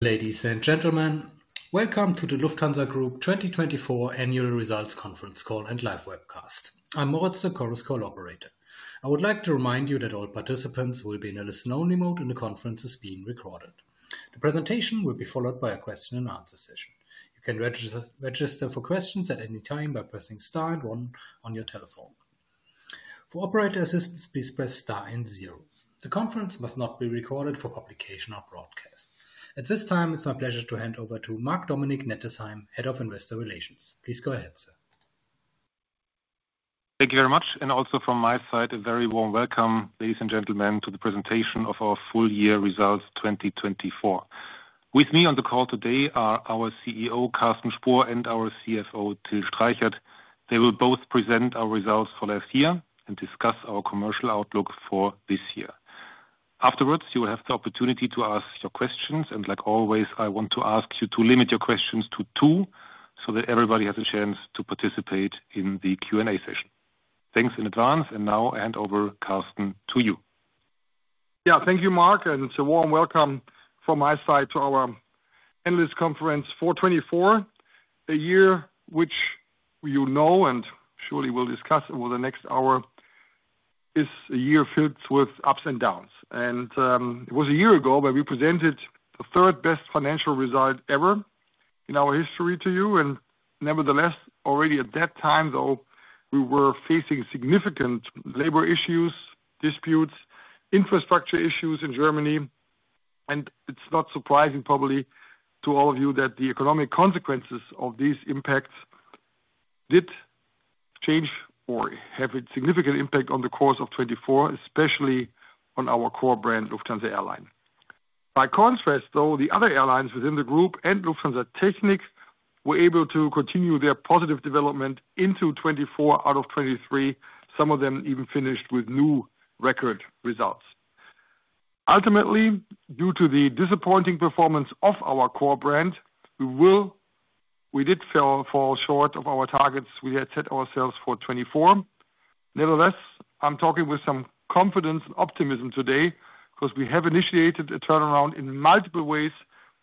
Ladies and gentlemen, welcome to the Lufthansa Group 2024 Annual Results Conference Call and Live Webcast. I'm Moritz, the Chorus Call operator. I would like to remind you that all participants will be in a listen-only mode, and the conference is being recorded. The presentation will be followed by a question-and-answer session. You can register for questions at any time by pressing star and one on your telephone. For operator assistance, please press star and zero. The conference must not be recorded for publication or broadcast. At this time, it's my pleasure to hand over to Marc-Dominic Nettesheim, Head of Investor Relations. Please go ahead, sir. Thank you very much. And also from my side, a very warm welcome, ladies and gentlemen, to the presentation of our Full-Year Results 2024. With me on the call today are our CEO, Carsten Spohr, and our CFO, Till Streichert. They will both present our results for last year and discuss our commercial outlook for this year. Afterwards, you will have the opportunity to ask your questions. And like always, I want to ask you to limit your questions to two so that everybody has a chance to participate in the Q&A session. Thanks in advance. And now I hand over, Carsten, to you. Yeah, thank you, Marc. And it's a warm welcome from my side to our Analysts Conference for 2024. The year, which you know and surely will discuss over the next hour, is a year filled with ups and downs. And it was a year ago when we presented the third-best financial result ever in our history to you. And nevertheless, already at that time, though, we were facing significant labor issues, disputes, infrastructure issues in Germany. And it's not surprising, probably, to all of you that the economic consequences of these impacts did change or have a significant impact on the course of 2024, especially on our core brand, Lufthansa Airlines. By contrast, though, the other airlines within the group and Lufthansa Technik were able to continue their positive development into 2024 out of 2023. Some of them even finished with new record results. Ultimately, due to the disappointing performance of our core brand, we did fall short of our targets we had set ourselves for 2024. Nevertheless, I'm talking with some confidence and optimism today because we have initiated a turnaround in multiple ways,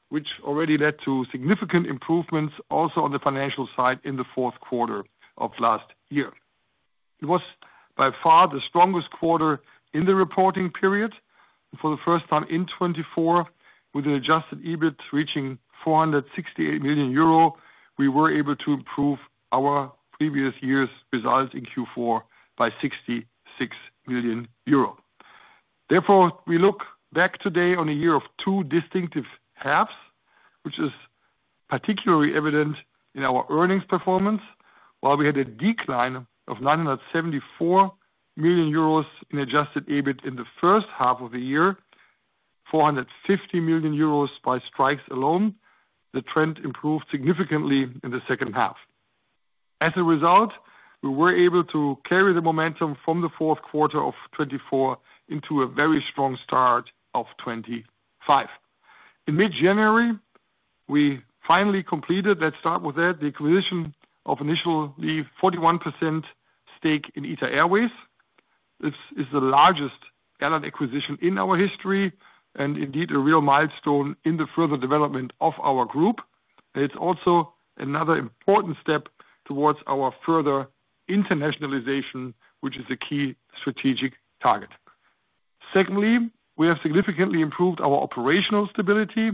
which already led to significant improvements also on the financial side in the fourth quarter of last year. It was by far the strongest quarter in the reporting period. For the first time in 2024, with an adjusted EBIT reaching 468 million euro, we were able to improve our previous year's result in Q4 by 66 million euro. Therefore, we look back today on a year of two distinctive halves, which is particularly evident in our earnings performance. While we had a decline of 974 million euros in adjusted EBIT in the first half of the year, 450 million euros by strikes alone, the trend improved significantly in the second half. As a result, we were able to carry the momentum from the fourth quarter of 2024 into a very strong start of 2025. In mid-January, we finally completed, let's start with that, the acquisition of initially 41% stake in ITA Airways. This is the largest airline acquisition in our history and indeed a real milestone in the further development of our group and it's also another important step towards our further internationalization, which is a key strategic target. Secondly, we have significantly improved our operational stability.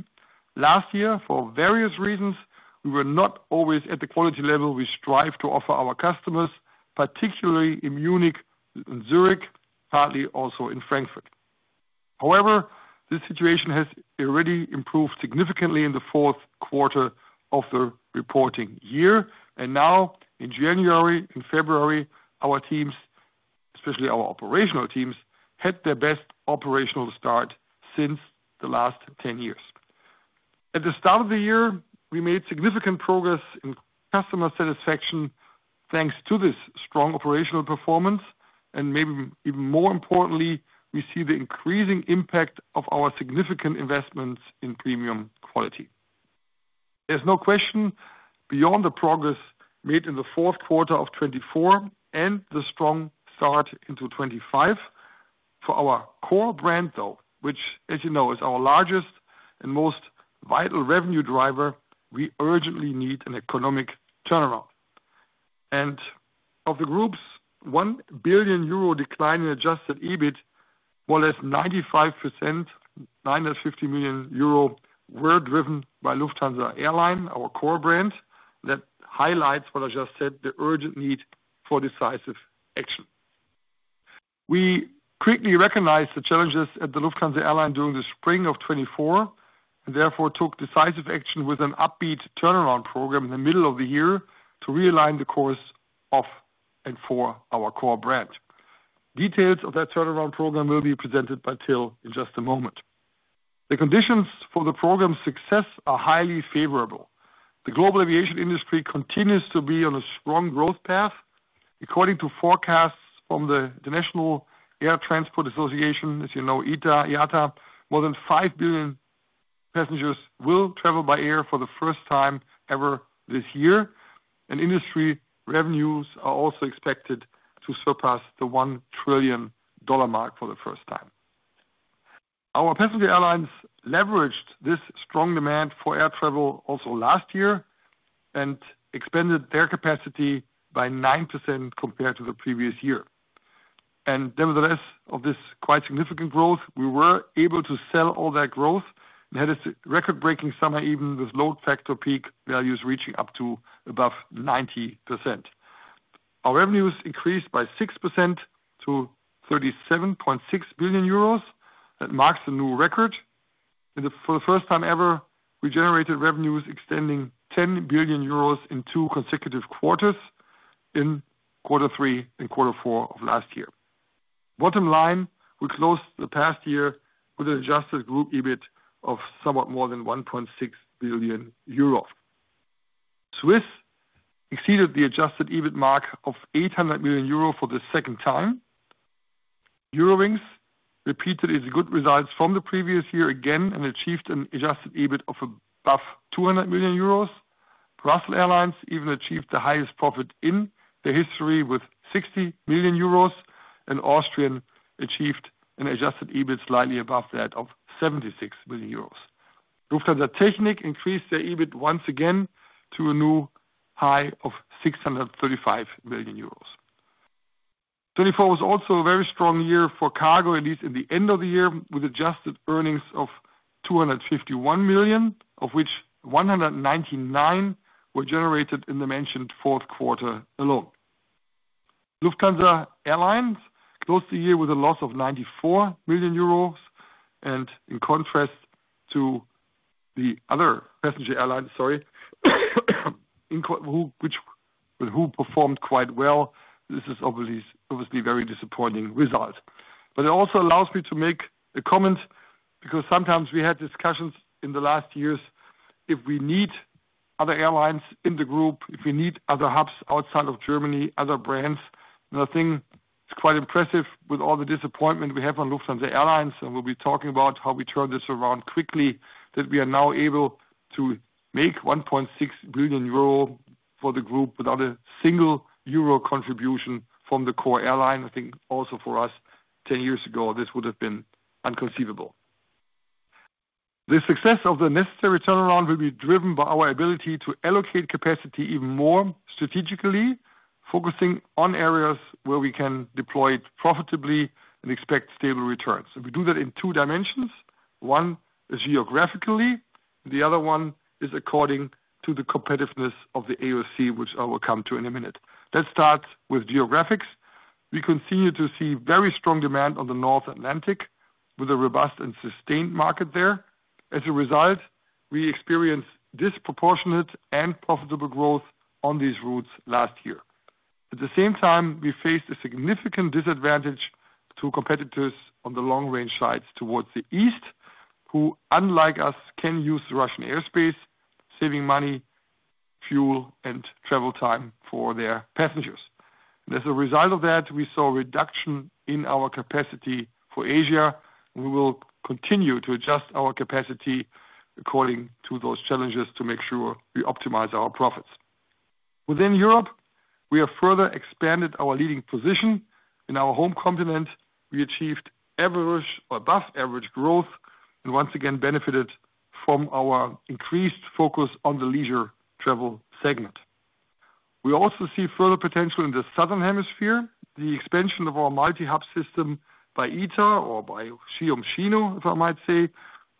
Last year, for various reasons, we were not always at the quality level we strive to offer our customers, particularly in Munich and Zurich, partly also in Frankfurt. However, this situation has already improved significantly in the fourth quarter of the reporting year. And now, in January and February, our teams, especially our operational teams, had their best operational start since the last 10 years. At the start of the year, we made significant progress in customer satisfaction thanks to this strong operational performance. And maybe even more importantly, we see the increasing impact of our significant investments in premium quality. There's no question beyond the progress made in the fourth quarter of 2024 and the strong start into 2025. For our core brand, though, which, as you know, is our largest and most vital revenue driver, we urgently need an economic turnaround. And of the group's 1 billion euro decline in adjusted EBIT, more or less 95%, 950 million euro were driven by Lufthansa Airlines, our core brand. That highlights, what I just said, the urgent need for decisive action. We quickly recognized the challenges at the Lufthansa Airlines during the spring of 2024 and therefore took decisive action with an upbeat turnaround program in the middle of the year to realign the course of and for our core brand. Details of that turnaround program will be presented by Till in just a moment. The conditions for the program's success are highly favorable. The global aviation industry continues to be on a strong growth path. According to forecasts from the International Air Transport Association, as you know, IATA, more than five billion passengers will travel by air for the first time ever this year, and industry revenues are also expected to surpass the EUR 1 trillion mark for the first time. Our passenger airlines leveraged this strong demand for air travel also last year and expanded their capacity by 9% compared to the previous year. Nevertheless, of this quite significant growth, we were able to sell all that growth and had a record-breaking summer even with load factor peak values reaching up to above 90%. Our revenues increased by 6% to 37.6 billion euros. That marks a new record. For the first time ever, we generated revenues exceeding 10 billion euros in two consecutive quarters in quarter three and quarter four of last year. Bottom line, we closed the past year with an adjusted group EBIT of somewhat more than 1.6 billion euro. Swiss exceeded the adjusted EBIT mark of 800 million euro for the second time. Eurowings repeated its good results from the previous year again and achieved an adjusted EBIT of above 200 million euros. Brussels Airlines even achieved the highest profit in their history with 60 million euros. Austrian achieved an adjusted EBIT slightly above that of 76 million euros. Lufthansa Technik increased their EBIT once again to a new high of 635 million euros. 2024 was also a very strong year for cargo, at least in the end of the year, with adjusted earnings of 251 million, of which 199 were generated in the mentioned fourth quarter alone. Lufthansa Airlines closed the year with a loss of 94 million euros. And in contrast to the other passenger airlines, sorry, which performed quite well, this is obviously a very disappointing result, but it also allows me to make a comment because sometimes we had discussions in the last years if we need other airlines in the group, if we need other hubs outside of Germany, other brands, and I think it's quite impressive with all the disappointment we have on Lufthansa Airlines. We'll be talking about how we turned this around quickly, that we are now able to make 1.6 billion euro for the group without a single euro contribution from the core airline. I think also for us, 10 years ago, this would have been inconceivable. The success of the necessary turnaround will be driven by our ability to allocate capacity even more strategically, focusing on areas where we can deploy it profitably and expect stable returns. We do that in two dimensions. One is geographically. The other one is according to the competitiveness of the AOC, which I will come to in a minute. Let's start with geographics. We continue to see very strong demand on the North Atlantic with a robust and sustained market there. As a result, we experienced disproportionate and profitable growth on these routes last year. At the same time, we faced a significant disadvantage to competitors on the long-range sides towards the east, who, unlike us, can use Russian airspace, saving money, fuel, and travel time for their passengers, and as a result of that, we saw a reduction in our capacity for Asia. We will continue to adjust our capacity according to those challenges to make sure we optimize our profits. Within Europe, we have further expanded our leading position. In our home continent, we achieved average or above-average growth and once again benefited from our increased focus on the leisure travel segment. We also see further potential in the Southern Hemisphere. The expansion of our multi-hub system by ITA or by Munich, if I might say,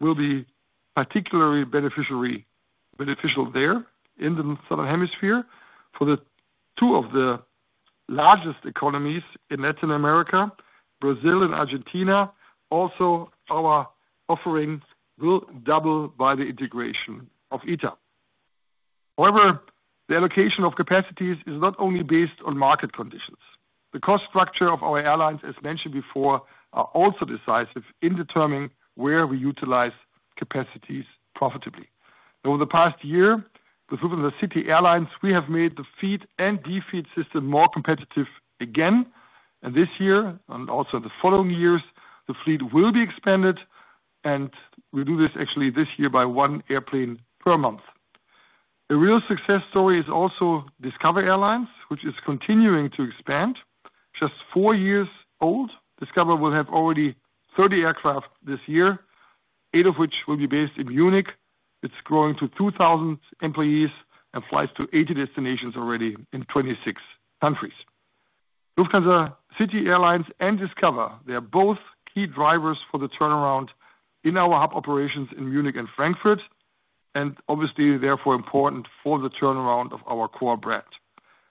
will be particularly beneficial there in the Southern Hemisphere for the two of the largest economies in Latin America, Brazil and Argentina. Also, our offering will double by the integration of ITA. However, the allocation of capacities is not only based on market conditions. The cost structure of our airlines, as mentioned before, are also decisive in determining where we utilize capacities profitably. Over the past year, with the City Airlines, we have made the feed and de-feed system more competitive again. And this year, and also in the following years, the fleet will be expanded. And we do this actually this year by one airplane per month. A real success story is also Discover Airlines, which is continuing to expand. Just four years old, Discover will have already 30 aircraft this year, eight of which will be based in Munich. It's growing to 2,000 employees and flies to 80 destinations already in 26 countries. Lufthansa City Airlines and Discover, they are both key drivers for the turnaround in our hub operations in Munich and Frankfurt and obviously therefore important for the turnaround of our core brand.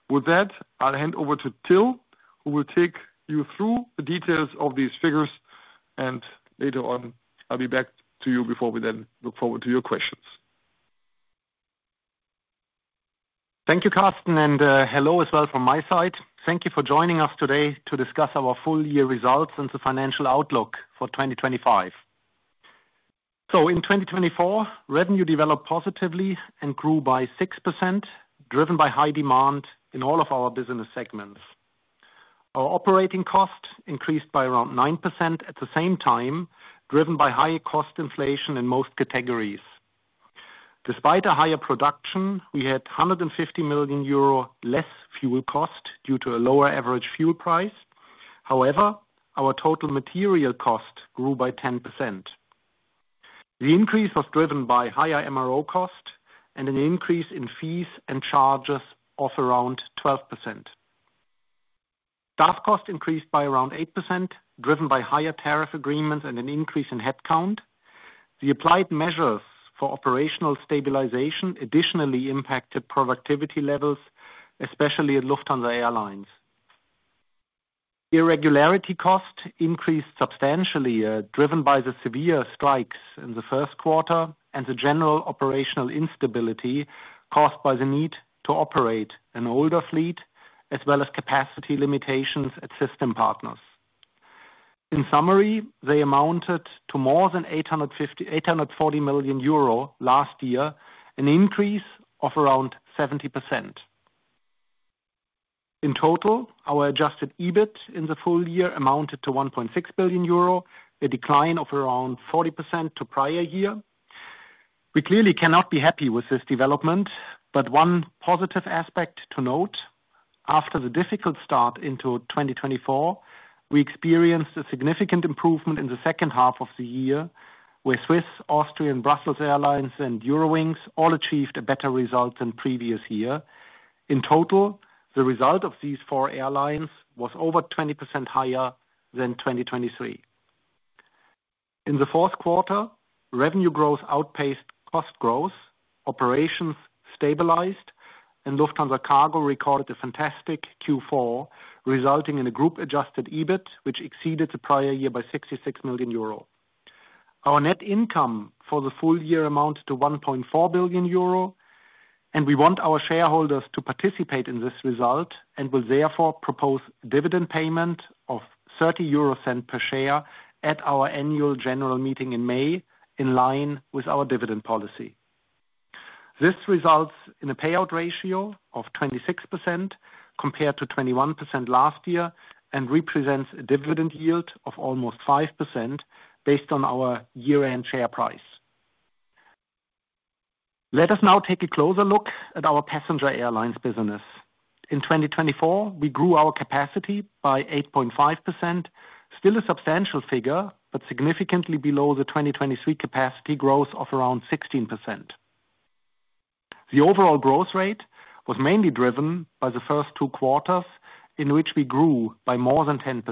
With that, I'll hand over to Till, who will take you through the details of these figures, and later on, I'll be back to you before we then look forward to your questions. Thank you, Carsten, and hello as well from my side. Thank you for joining us today to discuss our full year results and the financial outlook for 2025. So in 2024, revenue developed positively and grew by 6%, driven by high demand in all of our business segments. Our operating cost increased by around 9% at the same time, driven by high cost inflation in most categories. Despite a higher production, we had 150 million euro less fuel cost due to a lower average fuel price. However, our total material cost grew by 10%. The increase was driven by higher MRO cost and an increase in fees and charges of around 12%. Staff cost increased by around 8%, driven by higher tariff agreements and an increase in headcount. The applied measures for operational stabilization additionally impacted productivity levels, especially at Lufthansa Airlines. Irregularity cost increased substantially, driven by the severe strikes in the first quarter and the general operational instability caused by the need to operate an older fleet, as well as capacity limitations at system partners. In summary, they amounted to more than 840 million euro last year, an increase of around 70%. In total, our adjusted EBIT in the full year amounted to 1.6 billion euro, a decline of around 40% to prior year. We clearly cannot be happy with this development, but one positive aspect to note: after the difficult start into 2024, we experienced a significant improvement in the second half of the year, where Swiss, Austrian, Brussels Airlines, and Eurowings all achieved a better result than previous year. In total, the result of these four airlines was over 20% higher than 2023. In the fourth quarter, revenue growth outpaced cost growth, operations stabilized, and Lufthansa Cargo recorded a fantastic Q4, resulting in a group-adjusted EBIT, which exceeded the prior year by 66 million euro. Our net income for the full year amounted to 1.4 billion euro, and we want our shareholders to participate in this result and will therefore propose dividend payment of 0.30 per share at our Annual General Meeting in May, in line with our dividend policy. This results in a payout ratio of 26% compared to 21% last year and represents a dividend yield of almost 5% based on our year-end share price. Let us now take a closer look at our passenger airlines business. In 2024, we grew our capacity by 8.5%, still a substantial figure, but significantly below the 2023 capacity growth of around 16%. The overall growth rate was mainly driven by the first two quarters, in which we grew by more than 10%.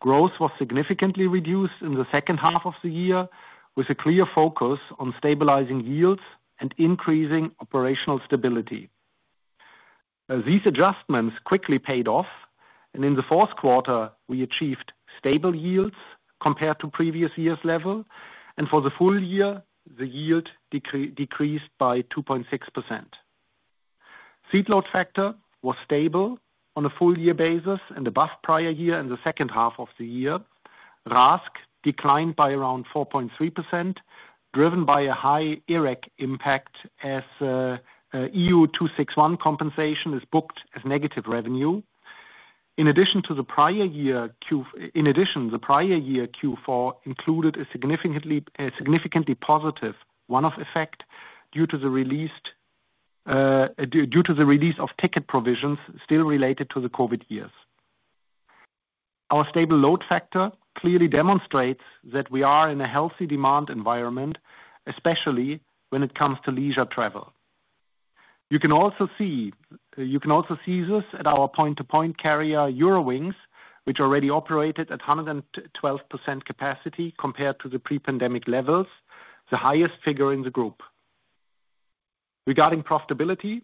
Growth was significantly reduced in the second half of the year, with a clear focus on stabilizing yields and increasing operational stability. These adjustments quickly paid off, and in the fourth quarter, we achieved stable yields compared to previous year's level, and for the full year, the yield decreased by 2.6%. Seat load factor was stable on a full-year basis and above prior year in the second half of the year. RASK declined by around 4.3%, driven by a high Irreg impact, as EU261 compensation is booked as negative revenue. In addition, the prior year Q4 included a significantly positive one-off effect due to the release of ticket provisions still related to the COVID years. Our stable load factor clearly demonstrates that we are in a healthy demand environment, especially when it comes to leisure travel. You can also see this at our point-to-point carrier, Eurowings, which already operated at 112% capacity compared to the pre-pandemic levels, the highest figure in the group. Regarding profitability,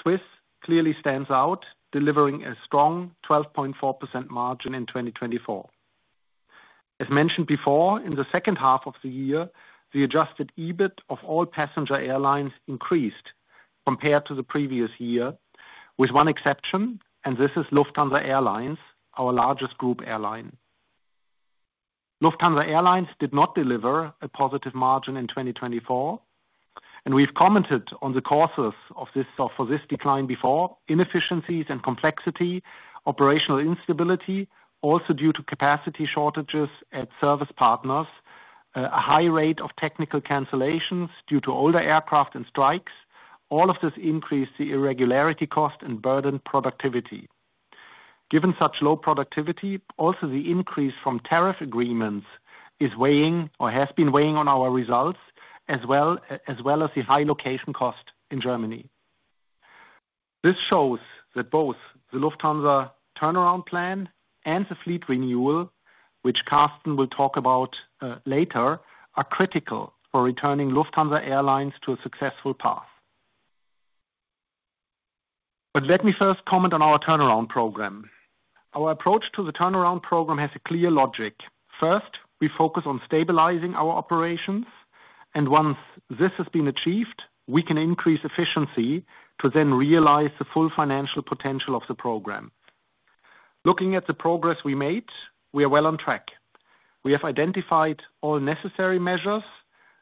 Swiss clearly stands out, delivering a strong 12.4% margin in 2024. As mentioned before, in the second half of the year, the adjusted EBIT of all passenger airlines increased compared to the previous year, with one exception, and this is Lufthansa Airlines, our largest group airline. Lufthansa Airlines did not deliver a positive margin in 2024, and we've commented on the causes for this decline before: inefficiencies and complexity, operational instability, also due to capacity shortages at service partners, a high rate of technical cancellations due to older aircraft and strikes. All of this increased the irregularity cost and burdened productivity. Given such low productivity, also the increase from tariff agreements is weighing or has been weighing on our results, as well as the high location cost in Germany. This shows that both the Lufthansa turnaround plan and the fleet renewal, which Carsten will talk about later, are critical for returning Lufthansa Airlines to a successful path. But let me first comment on our turnaround program. Our approach to the turnaround program has a clear logic. First, we focus on stabilizing our operations, and once this has been achieved, we can increase efficiency to then realize the full financial potential of the program. Looking at the progress we made, we are well on track. We have identified all necessary measures.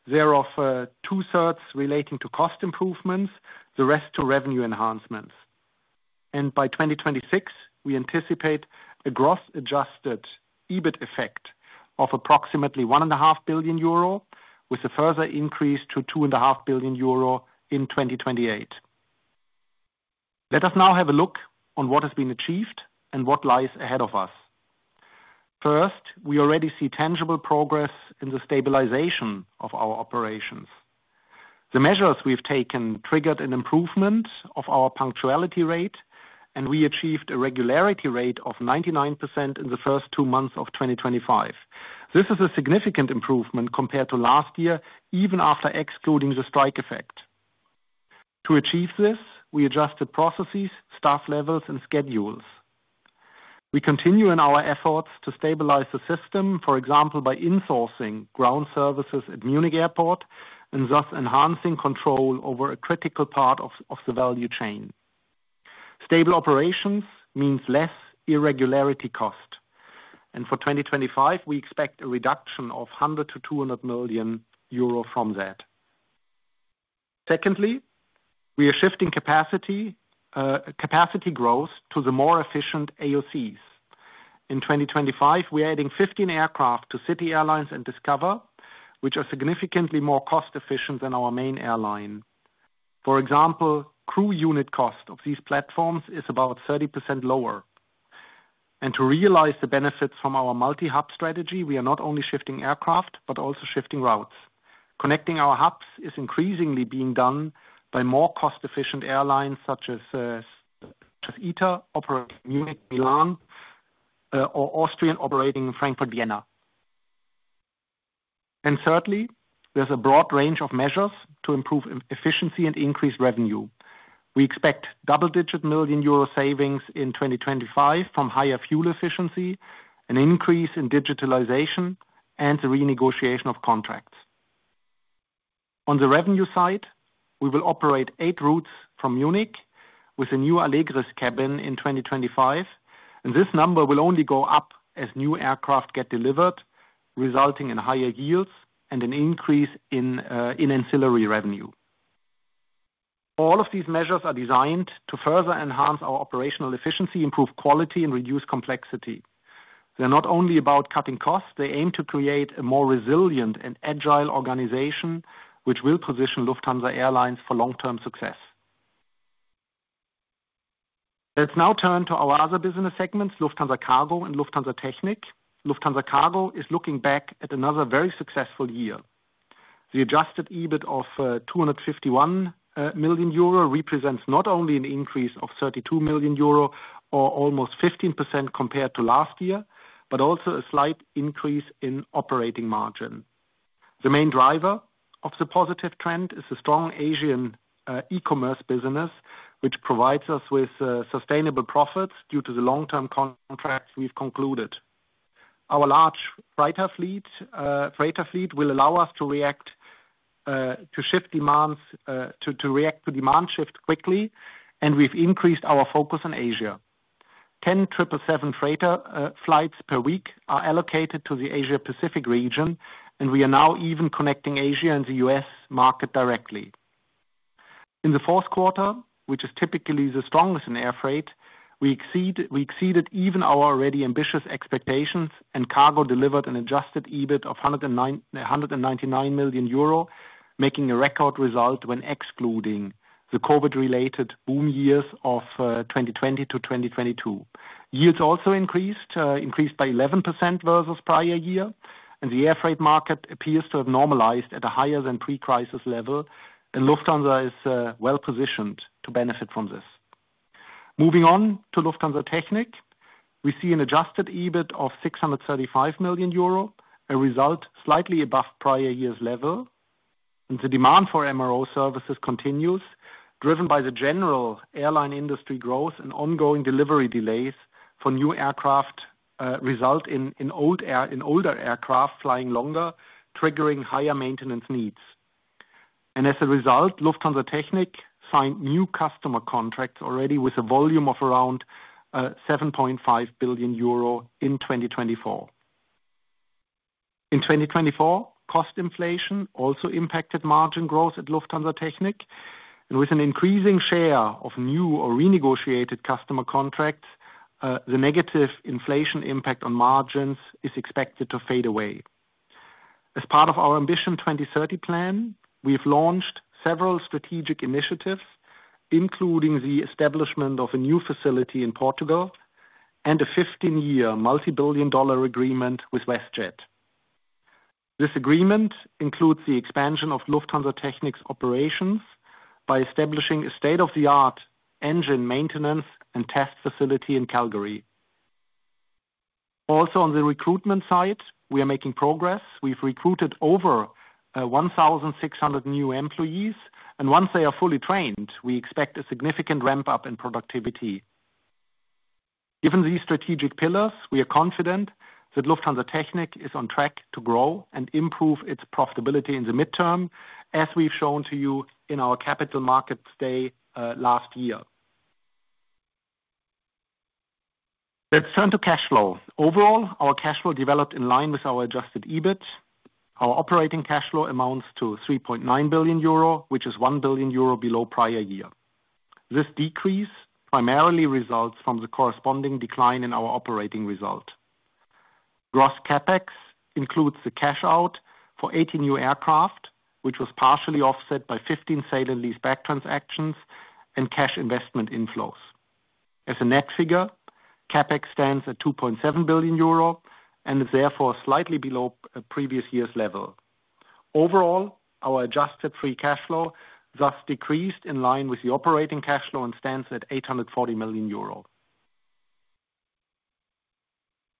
There are two-thirds relating to cost improvements, the rest to revenue enhancements. By 2026, we anticipate a gross adjusted EBIT effect of approximately 1.5 billion euro, with a further increase to 2.5 billion euro in 2028. Let us now have a look on what has been achieved and what lies ahead of us. First, we already see tangible progress in the stabilization of our operations. The measures we've taken triggered an improvement of our punctuality rate, and we achieved a regularity rate of 99% in the first two months of 2025. This is a significant improvement compared to last year, even after excluding the strike effect. To achieve this, we adjusted processes, staff levels, and schedules. We continue in our efforts to stabilize the system, for example, by insourcing ground services at Munich Airport and thus enhancing control over a critical part of the value chain. Stable operations means less irregularity cost, and for 2025, we expect a reduction of 100-200 million euro from that. Secondly, we are shifting capacity growth to the more efficient AOCs. In 2025, we are adding 15 aircraft to City Airlines and Discover, which are significantly more cost-efficient than our main airline. For example, crew unit cost of these platforms is about 30% lower. And to realize the benefits from our multi-hub strategy, we are not only shifting aircraft, but also shifting routes. Connecting our hubs is increasingly being done by more cost-efficient airlines such as ITA operating Munich-Milan or Austrian operating Frankfurt-Vienna. And thirdly, there's a broad range of measures to improve efficiency and increase revenue. We expect double-digit million EUR savings in 2025 from higher fuel efficiency, an increase in digitalization, and the renegotiation of contracts. On the revenue side, we will operate eight routes from Munich with a new Allegris cabin in 2025, and this number will only go up as new aircraft get delivered, resulting in higher yields and an increase in ancillary revenue. All of these measures are designed to further enhance our operational efficiency, improve quality, and reduce complexity. They're not only about cutting costs. They aim to create a more resilient and agile organization, which will position Lufthansa Airlines for long-term success. Let's now turn to our other business segments, Lufthansa Cargo and Lufthansa Technik. Lufthansa Cargo is looking back at another very successful year. The adjusted EBIT of 251 million euro represents not only an increase of 32 million euro or almost 15% compared to last year, but also a slight increase in operating margin. The main driver of the positive trend is the strong Asian e-commerce business, which provides us with sustainable profits due to the long-term contracts we've concluded. Our large freighter fleet will allow us to react to shift demands, to react to demand shifts quickly, and we've increased our focus on Asia. Ten 777 freighter flights per week are allocated to the Asia-Pacific region, and we are now even connecting Asia and the U.S. market directly. In the fourth quarter, which is typically the strongest in air freight, we exceeded even our already ambitious expectations, and Cargo delivered an adjusted EBIT of 199 million euro, making a record result when excluding the COVID-related boom years of 2020- 2022. Yields also increased, increased by 11% versus prior year, and the air freight market appears to have normalized at a higher than pre-crisis level, and Lufthansa is well positioned to benefit from this. Moving on to Lufthansa Technik, we see an adjusted EBIT of 635 million euro, a result slightly above prior year's level, and the demand for MRO services continues, driven by the general airline industry growth and ongoing delivery delays for new aircraft, resulting in older aircraft flying longer, triggering higher maintenance needs, and as a result, Lufthansa Technik signed new customer contracts already with a volume of around 7.5 billion euro in 2024. In 2024, cost inflation also impacted margin growth at Lufthansa Technik, and with an increasing share of new or renegotiated customer contracts, the negative inflation impact on margins is expected to fade away. As part of our Ambition 2030 plan, we've launched several strategic initiatives, including the establishment of a new facility in Portugal and a 15-year multi-billion dollar agreement with WestJet. This agreement includes the expansion of Lufthansa Technik's operations by establishing a state-of-the-art engine maintenance and test facility in Calgary. Also, on the recruitment side, we are making progress. We've recruited over 1,600 new employees, and once they are fully trained, we expect a significant ramp-up in productivity. Given these strategic pillars, we are confident that Lufthansa Technik is on track to grow and improve its profitability in the midterm, as we've shown to you in our Capital Markets Day last year. Let's turn to cash flow. Overall, our cash flow developed in line with our adjusted EBIT. Our operating cash flow amounts to 3.9 billion euro, which is 1 billion euro below prior year. This decrease primarily results from the corresponding decline in our operating result. Gross CapEx includes the cash out for 80 new aircraft, which was partially offset by 15 sale and lease-back transactions and cash investment inflows. As a net figure, CapEx stands at 2.7 billion euro and is therefore slightly below previous year's level. Overall, our adjusted free cash flow thus decreased in line with the operating cash flow and stands at 840 million euro.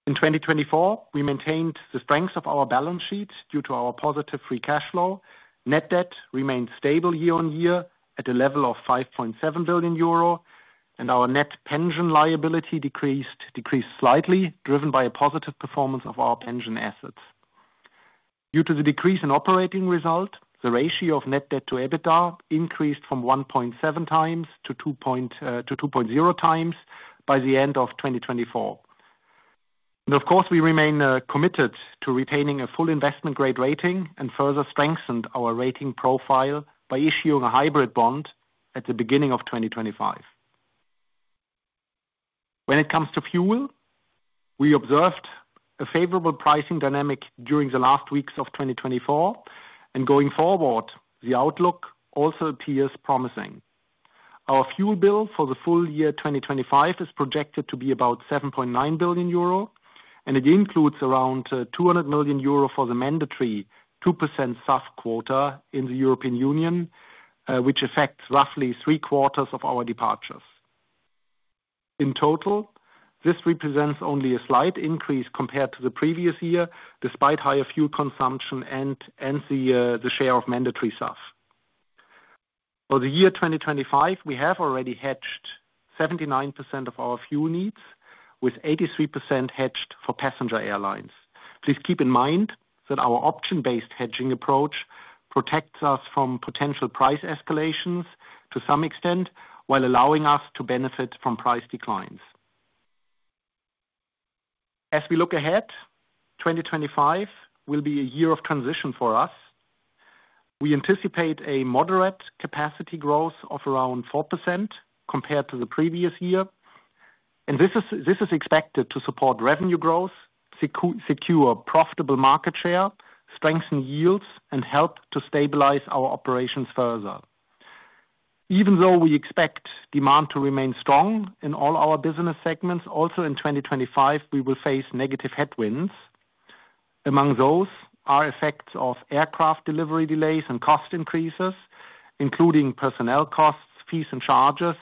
In 2024, we maintained the strength of our balance sheet due to our positive free cash flow. Net debt remained stable year on year at a level of 5.7 billion euro, and our net pension liability decreased slightly, driven by a positive performance of our pension assets. Due to the decrease in operating result, the ratio of net debt to EBITDA increased from 1.7 times to 2.0 times by the end of 2024. And of course, we remain committed to retaining a full investment-grade rating and further strengthened our rating profile by issuing a hybrid bond at the beginning of 2025. When it comes to fuel, we observed a favorable pricing dynamic during the last weeks of 2024, and going forward, the outlook also appears promising. Our fuel bill for the full year 2025 is projected to be about 7.9 billion euro, and it includes around 200 million euro for the mandatory 2% SAF quota in the European Union, which affects roughly three-quarters of our departures. In total, this represents only a slight increase compared to the previous year, despite higher fuel consumption and the share of mandatory SAF. For the year 2025, we have already hedged 79% of our fuel needs, with 83% hedged for passenger airlines. Please keep in mind that our option-based hedging approach protects us from potential price escalations to some extent, while allowing us to benefit from price declines. As we look ahead, 2025 will be a year of transition for us. We anticipate a moderate capacity growth of around 4% compared to the previous year, and this is expected to support revenue growth, secure profitable market share, strengthen yields, and help to stabilize our operations further. Even though we expect demand to remain strong in all our business segments, also in 2025, we will face negative headwinds. Among those are effects of aircraft delivery delays and cost increases, including personnel costs, fees, and charges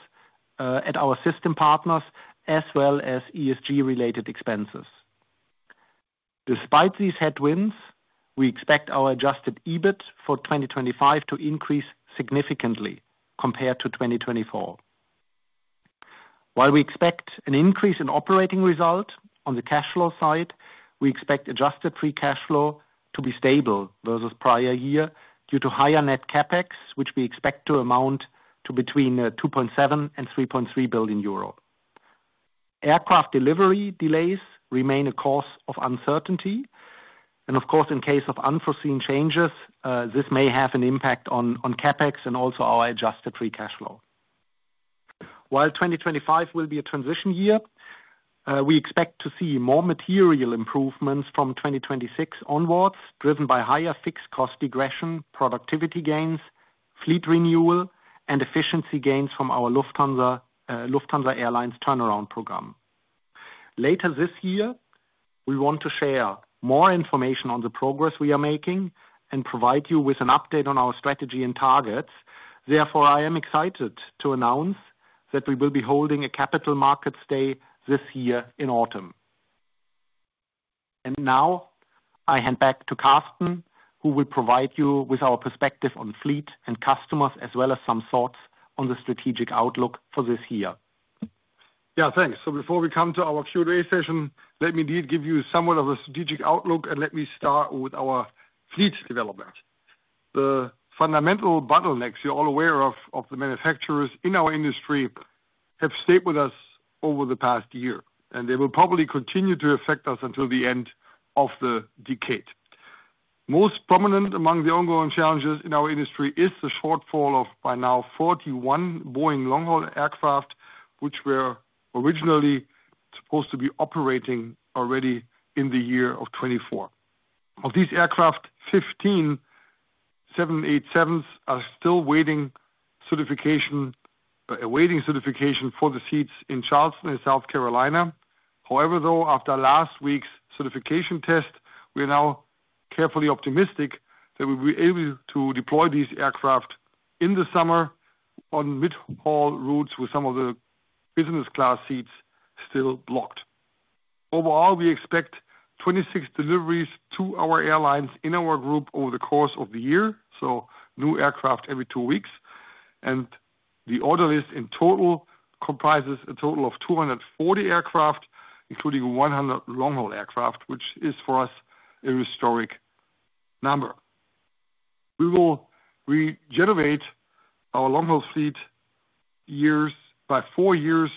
at our system partners, as well as ESG-related expenses. Despite these headwinds, we expect our adjusted EBIT for 2025 to increase significantly compared to 2024. While we expect an increase in operating result on the cash flow side, we expect adjusted free cash flow to be stable versus prior year due to higher net CapEx, which we expect to amount to between 2.7 billion and 3.3 billion euro. Aircraft delivery delays remain a cause of uncertainty, and of course, in case of unforeseen changes, this may have an impact on CapEx and also our adjusted free cash flow. While 2025 will be a transition year, we expect to see more material improvements from 2026 onwards, driven by higher fixed cost degression, productivity gains, fleet renewal, and efficiency gains from our Lufthansa Airlines turnaround program. Later this year, we want to share more information on the progress we are making and provide you with an update on our strategy and targets. Therefore, I am excited to announce that we will be holding a Capital Markets Day this year in autumn. And now, I hand back to Carsten, who will provide you with our perspective on fleet and customers, as well as some thoughts on the strategic outlook for this year. Yeah, thanks. So before we come to our Q&A session, let me give you somewhat of a strategic outlook, and let me start with our fleet development. The fundamental bottlenecks, you're all aware of, of the manufacturers in our industry have stayed with us over the past year, and they will probably continue to affect us until the end of the decade. Most prominent among the ongoing challenges in our industry is the shortfall of, by now, 41 Boeing long-haul aircraft, which were originally supposed to be operating already in the year of 2024. Of these aircraft, 15 787s are still waiting certification for the seats in Charleston, South Carolina. However, though, after last week's certification test, we are now carefully optimistic that we will be able to deploy these aircraft in the summer on mid-haul routes with some of the business class seats still blocked. Overall, we expect 26 deliveries to our airlines in our group over the course of the year, so new aircraft every two weeks, and the order list in total comprises a total of 240 aircraft, including 100 long-haul aircraft, which is for us a historic number. We will regenerate our long-haul fleet by four years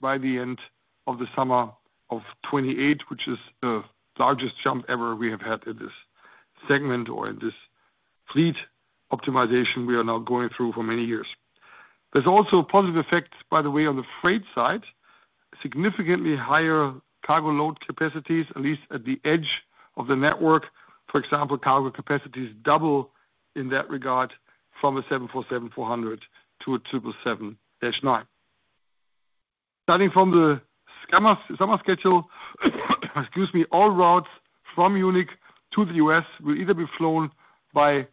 by the end of the summer of 2028, which is the largest jump ever we have had in this segment or in this fleet optimization we are now going through for many years. There's also a positive effect, by the way, on the freight side, significantly higher cargo load capacities, at least at the edge of the network. For example, cargo capacity is double in that regard from a 747-400 to a 777-9. Starting from the summer schedule, excuse me, all routes from Munich to the U.S. will either be flown by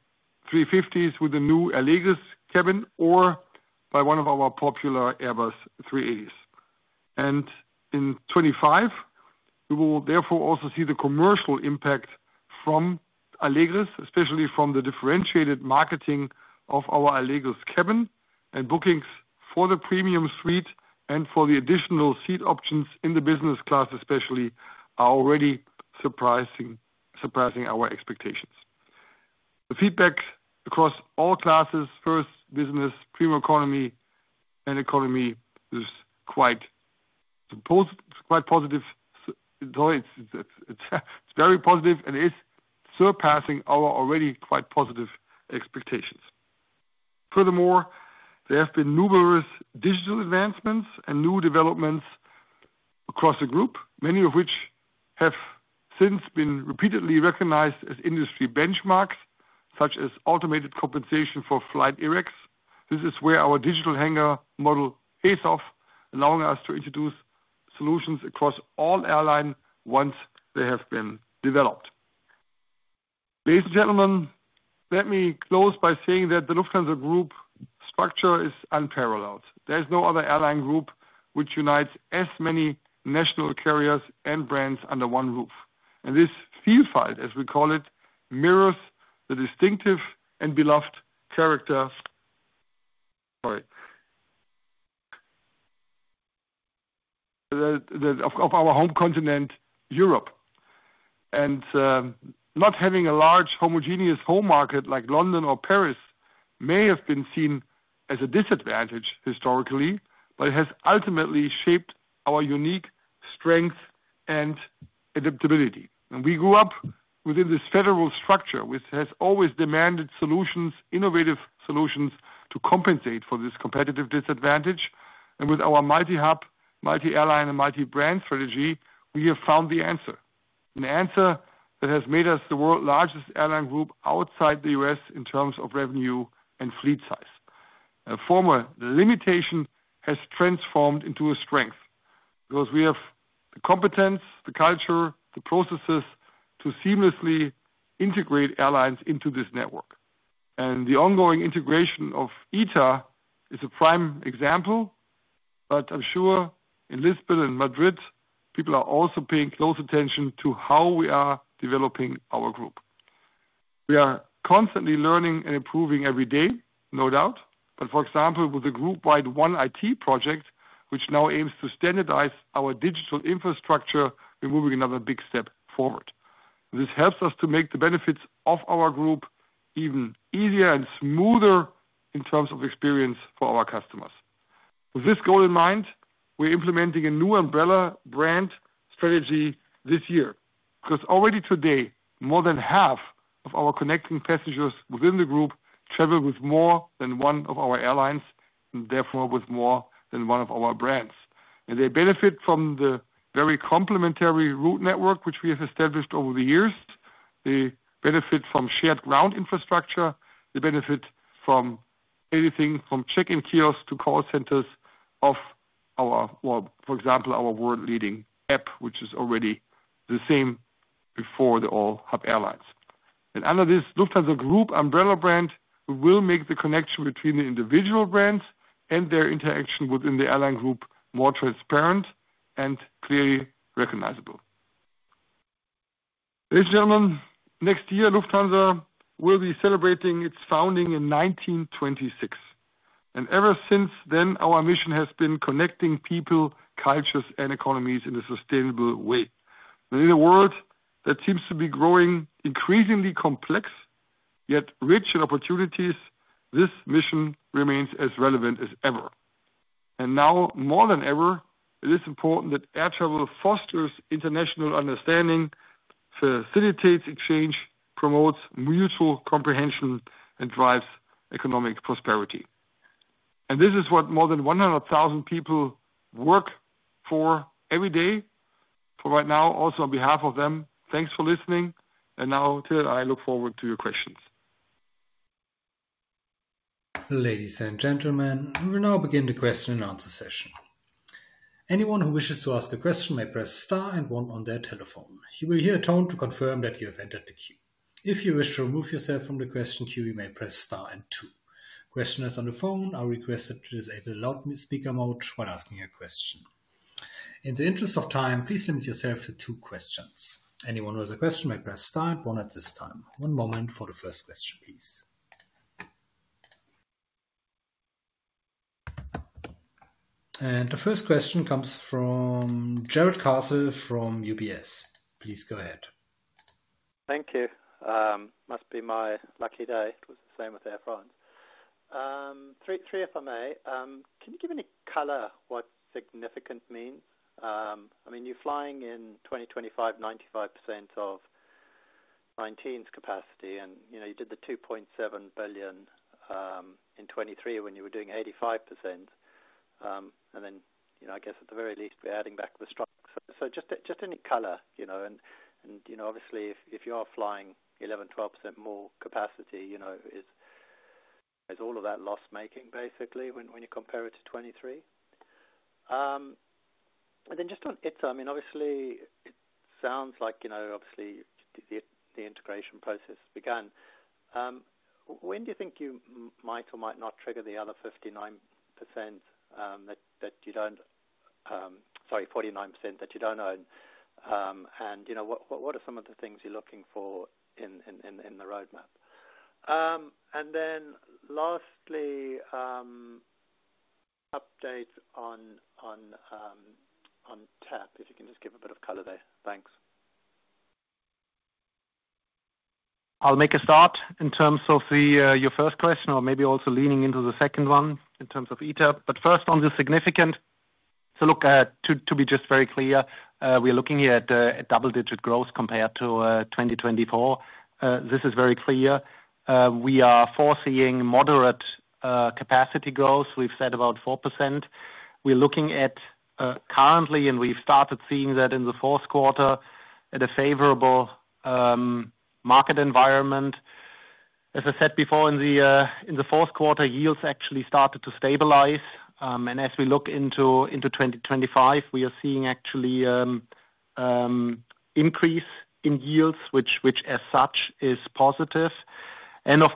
A350s with the new Allegris cabin or by one of our popular Airbus A380s, and in 2025, we will therefore also see the commercial impact from Allegris, especially from the differentiated marketing of our Allegris cabin, and bookings for the premium suite and for the additional seat options in the business class especially are already surprising our expectations. The feedback across all classes, first business, premium economy, and economy, is quite positive. It's very positive and is surpassing our already quite positive expectations. Furthermore, there have been numerous digital advancements and new developments across the group, many of which have since been repeatedly recognized as industry benchmarks, such as automated compensation for flight errors. This is where our Digital Hangar model is of, allowing us to introduce solutions across all airlines once they have been developed. Ladies and gentlemen, let me close by saying that the Lufthansa Group structure is unparalleled. There is no other airline group which unites as many national carriers and brands under one roof, and this Vielfalt, as we call it, mirrors the distinctive and beloved character of our home continent, Europe, and not having a large homogeneous home market like London or Paris may have been seen as a disadvantage historically, but it has ultimately shaped our unique strength and adaptability, and we grew up within this federal structure, which has always demanded solutions, innovative solutions to compensate for this competitive disadvantage. And with our multi-hub, multi-airline, and multi-brand strategy, we have found the answer, an answer that has made us the world's largest airline group outside the U.S. in terms of revenue and fleet size. A former limitation has transformed into a strength because we have the competence, the culture, the processes to seamlessly integrate airlines into this network. And the ongoing integration of ITA is a prime example, but I'm sure in Lisbon and Madrid, people are also paying close attention to how we are developing our group. We are constantly learning and improving every day, no doubt, but for example, with the group-wide One IT project, which now aims to standardize our digital infrastructure, we're moving another big step forward. This helps us to make the benefits of our group even easier and smoother in terms of experience for our customers. With this goal in mind, we're implementing a new umbrella brand strategy this year because already today, more than half of our connecting passengers within the group travel with more than one of our airlines and therefore with more than one of our brands, and they benefit from the very complementary route network, which we have established over the years. They benefit from shared ground infrastructure. They benefit from anything from check-in kiosks to call centers of our, well, for example, our world-leading app, which is already the same before the all-hub airlines, and under this Lufthansa Group umbrella brand, we will make the connection between the individual brands and their interaction within the airline group more transparent and clearly recognizable. Ladies and gentlemen, next year, Lufthansa will be celebrating its founding in 1926. Ever since then, our mission has been connecting people, cultures, and economies in a sustainable way. In a world that seems to be growing increasingly complex, yet rich in opportunities, this mission remains as relevant as ever. Now, more than ever, it is important that air travel fosters international understanding, facilitates exchange, promotes mutual comprehension, and drives economic prosperity. This is what more than 100,000 people work for every day. For right now, also on behalf of them, thanks for listening. Now, Till, I look forward to your questions. Ladies and gentlemen, we will now begin the question and answer session. Anyone who wishes to ask a question may press star and one on their telephone. You will hear a tone to confirm that you have entered the queue. If you wish to remove yourself from the question queue, you may press star and two. Questioners on the phone are requested to disable loudspeaker mode while asking a question. In the interest of time, please limit yourself to two questions. Anyone who has a question may press star and one at this time. One moment for the first question, please. The first question comes from Jarrod Castle from UBS. Please go ahead. Thank you. Must be my lucky day. It was the same with Air France. Three, if I may, can you give any color what significant means? I mean, you're flying in 2025, 95% of 2019's capacity, and you did the 2.7 billion in 2023 when you were doing 85%. Then, I guess at the very least, we're adding back the strike. So just any color, and obviously, if you are flying 11%-12% more capacity, is all of that loss-making, basically, when you compare it to 2023? And then just on its own, I mean, obviously, it sounds like, obviously, the integration process began. When do you think you might or might not trigger the other 59% that you don't sorry, 49% that you don't own? And what are some of the things you're looking for in the roadmap? And then lastly, update on TAP, if you can just give a bit of color there. Thanks. I'll make a start in terms of your first question, or maybe also leaning into the second one in terms of ITA. But first, on the significant, to be just very clear, we are looking here at double-digit growth compared to 2024. This is very clear. We are foreseeing moderate capacity growth. We've said about 4%. We're looking at currently, and we've started seeing that in the fourth quarter at a favorable market environment. As I said before, in the fourth quarter, yields actually started to stabilize. And as we look into 2025, we are seeing actually an increase in yields, which as such is positive. And of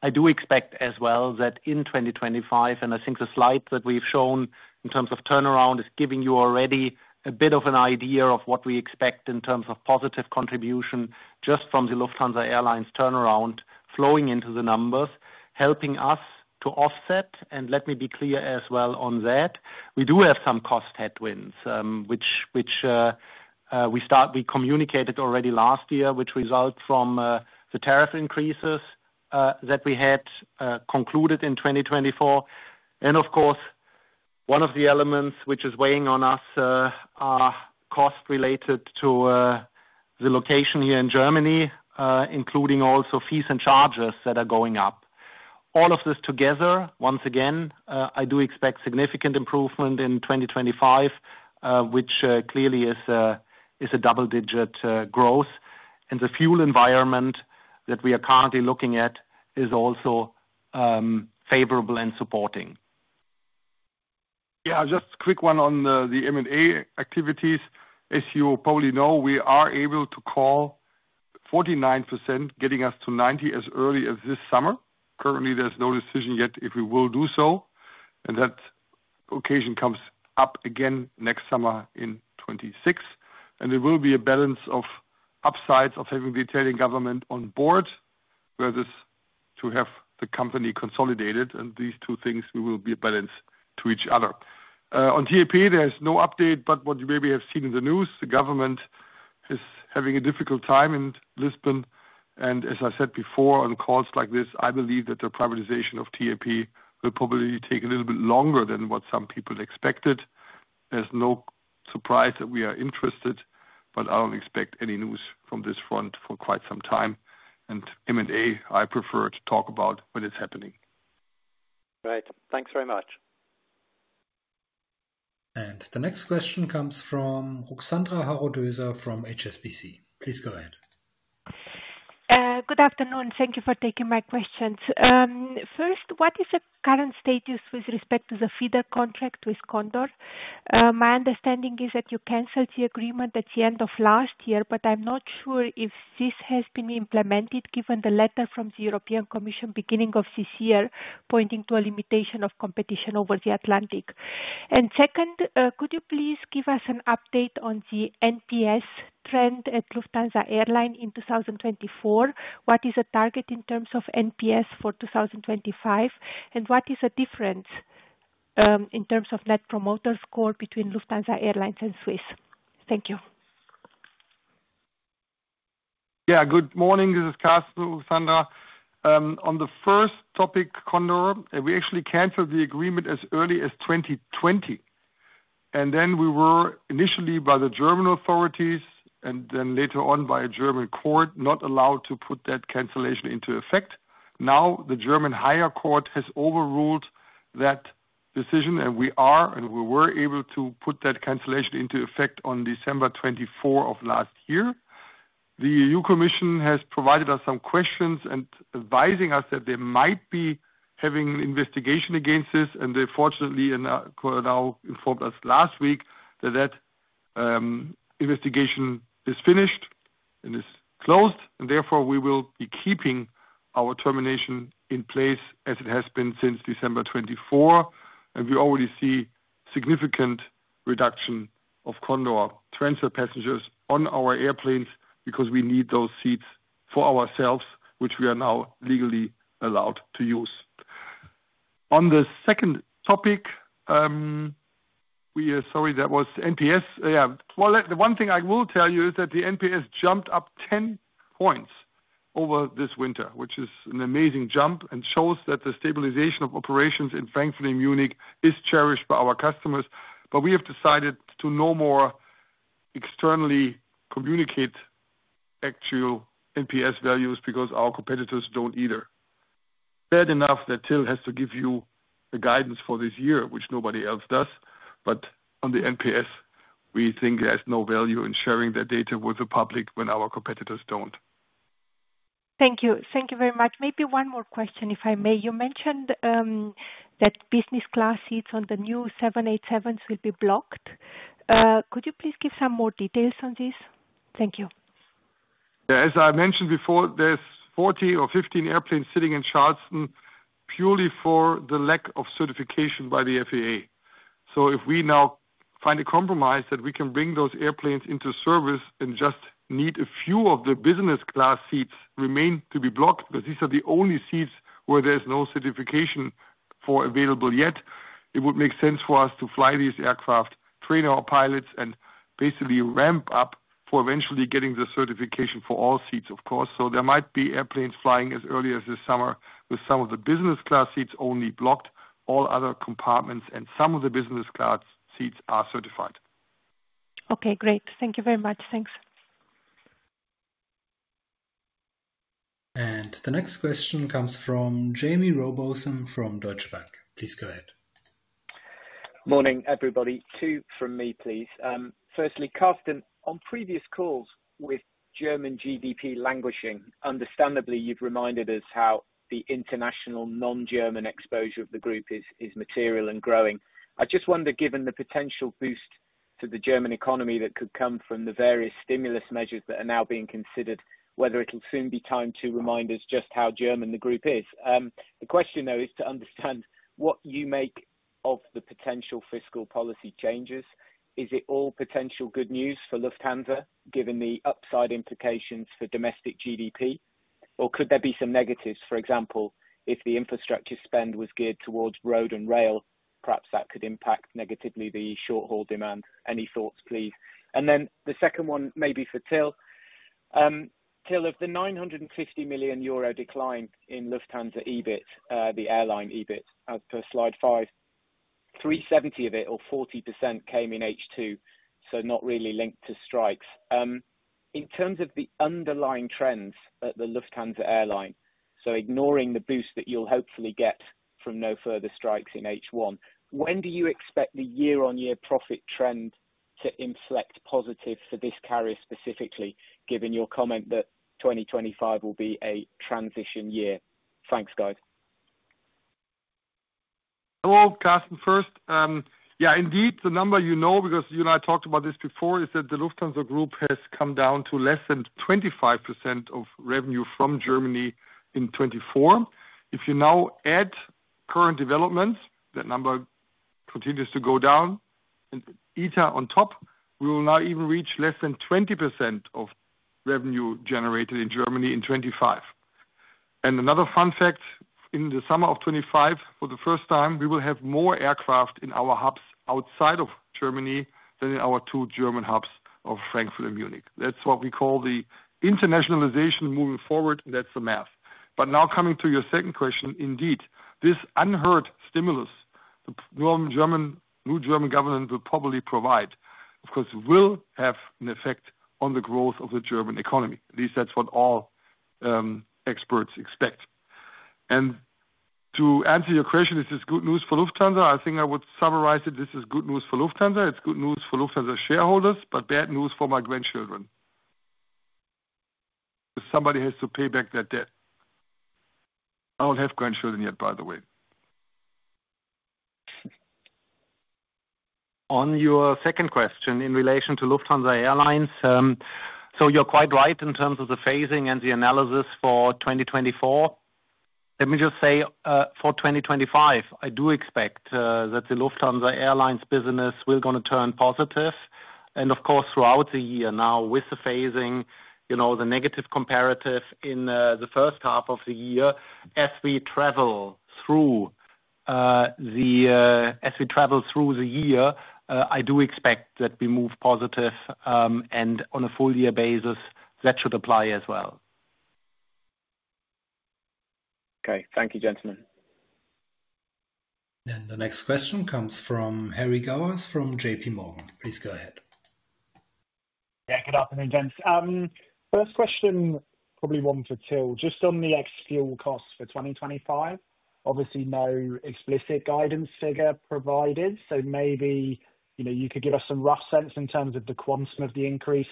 course, I do expect as well that in 2025, and I think the slide that we've shown in terms of turnaround is giving you already a bit of an idea of what we expect in terms of positive contribution just from the Lufthansa Airlines turnaround flowing into the numbers, helping us to offset. And let me be clear as well on that. We do have some cost headwinds, which we communicated already last year, which result from the tariff increases that we had concluded in 2024. And of course, one of the elements which is weighing on us are cost related to the location here in Germany, including also fees and charges that are going up. All of this together, once again, I do expect significant improvement in 2025, which clearly is a double-digit growth. And the fuel environment that we are currently looking at is also favorable and supporting. Yeah, just a quick one on the M&A activities. As you probably know, we are able to call 49%, getting us to 90% as early as this summer. Currently, there's no decision yet if we will do so. And that occasion comes up again next summer in 2026. And there will be a balance of upsides of having the Italian government on board versus to have the company consolidated. And these two things will be a balance to each other. On TAP, there's no update, but what you maybe have seen in the news, the government is having a difficult time in Lisbon. As I said before, on calls like this, I believe that the privatization of TAP will probably take a little bit longer than what some people expected. There's no surprise that we are interested, but I don't expect any news from this front for quite some time. M&A, I prefer to talk about when it's happening. Right. Thanks very much. The next question comes from Ruxandra Haradau-Döser from HSBC. Please go ahead. Good afternoon. Thank you for taking my questions. First, what is the current status with respect to the feeder contract with Condor? My understanding is that you canceled the agreement at the end of last year, but I'm not sure if this has been implemented given the letter from the European Commission beginning of this year pointing to a limitation of competition over the Atlantic. Second, could you please give us an update on the NPS trend at Lufthansa Airlines in 2024? What is the target in terms of NPS for 2025? And what is the difference in terms of net promoter score between Lufthansa Airlines and Swiss? Thank you. Yeah, good morning. This is Carsten, Ruxandra. On the first topic, Condor, we actually canceled the agreement as early as 2020. And then we were initially by the German authorities and then later on by a German court not allowed to put that cancellation into effect. Now the German higher court has overruled that decision, and we were able to put that cancellation into effect on December 24 of last year. The EU Commission has provided us some questions and advising us that they might be having an investigation against this. They fortunately now informed us last week that that investigation is finished and is closed. Therefore, we will be keeping our termination in place as it has been since December 24. And we already see significant reduction of Condor transfer passengers on our airplanes because we need those seats for ourselves, which we are now legally allowed to use. On the second topic, we are sorry, that was NPS. Yeah, well, the one thing I will tell you is that the NPS jumped up 10 points over this winter, which is an amazing jump and shows that the stabilization of operations in Frankfurt, Munich is cherished by our customers. But we have decided to no more externally communicate actual NPS values because our competitors don't either. Fair enough that Till has to give you the guidance for this year, which nobody else does. But on the NPS, we think there's no value in sharing that data with the public when our competitors don't. Thank you. Thank you very much. Maybe one more question, if I may. You mentioned that business class seats on the new 787s will be blocked. Could you please give some more details on this? Thank you. Yeah, as I mentioned before, there's 40 or 15 airplanes sitting in Charleston purely for the lack of certification by the FAA. So if we now find a compromise that we can bring those airplanes into service and just need a few of the business class seats remain to be blocked because these are the only seats where there's no certification available yet, it would make sense for us to fly these aircraft, train our pilots, and basically ramp up for eventually getting the certification for all seats, of course. So there might be airplanes flying as early as this summer with some of the business class seats only blocked. All other compartments and some of the business class seats are certified. Okay, great. Thank you very much. Thanks. And the next question comes from Jaime Rowbotham from Deutsche Bank. Please go ahead. Morning, everybody. Two from me, please. Firstly, Carsten, on previous calls with German GDP languishing, understandably, you've reminded us how the international non-German exposure of the group is material and growing. I just wonder, given the potential boost to the German economy that could come from the various stimulus measures that are now being considered, whether it'll soon be time to remind us just how German the group is. The question, though, is to understand what you make of the potential fiscal policy changes. Is it all potential good news for Lufthansa, given the upside implications for domestic GDP? Or could there be some negatives? For example, if the infrastructure spend was geared towards road and rail, perhaps that could impact negatively the short-haul demand. Any thoughts, please? And then the second one may be for Till. Till, of the 950 million euro decline in Lufthansa EBIT, the airline EBIT, as per slide five, 370 of it, or 40%, came in H2, so not really linked to strikes. In terms of the underlying trends at the Lufthansa Airline, so ignoring the boost that you'll hopefully get from no further strikes in H1, when do you expect the year-on-year profit trend to inflect positive for this carrier specifically, given your comment that 2025 will be a transition year? Thanks, guys. Hello. Carsten. First, yeah, indeed, the number you know, because you and I talked about this before, is that the Lufthansa Group has come down to less than 25% of revenue from Germany in 2024. If you now add current developments, that number continues to go down, and ITA on top, we will now even reach less than 20% of revenue generated in Germany in 2025, and another fun fact, in the summer of 2025, for the first time, we will have more aircraft in our hubs outside of Germany than in our two German hubs of Frankfurt and Munich. That's what we call the internationalization moving forward, and that's the math, but now coming to your second question, indeed, this unheard stimulus the new German government will probably provide, of course, will have an effect on the growth of the German economy. At least that's what all experts expect. To answer your question, is this good news for Lufthansa? I think I would summarize it. This is good news for Lufthansa. It's good news for Lufthansa shareholders, but bad news for my grandchildren. Somebody has to pay back that debt. I don't have grandchildren yet, by the way. On your second question in relation to Lufthansa Airlines, so you're quite right in terms of the phasing and the analysis for 2024. Let me just say for 2025, I do expect that the Lufthansa Airlines business will going to turn positive. And of course, throughout the year now, with the phasing, the negative comparative in the first half of the year, as we travel through the year, I do expect that we move positive. And on a full-year basis, that should apply as well. Okay. Thank you, gentlemen. And the next question comes from Harry Gowers from J.P. Morgan. Please go ahead. Yeah, good afternoon, gents. First question, probably one for Till, just on the ex-fuel costs for 2025. Obviously, no explicit guidance figure provided. So maybe you could give us some rough sense in terms of the quantum of the increase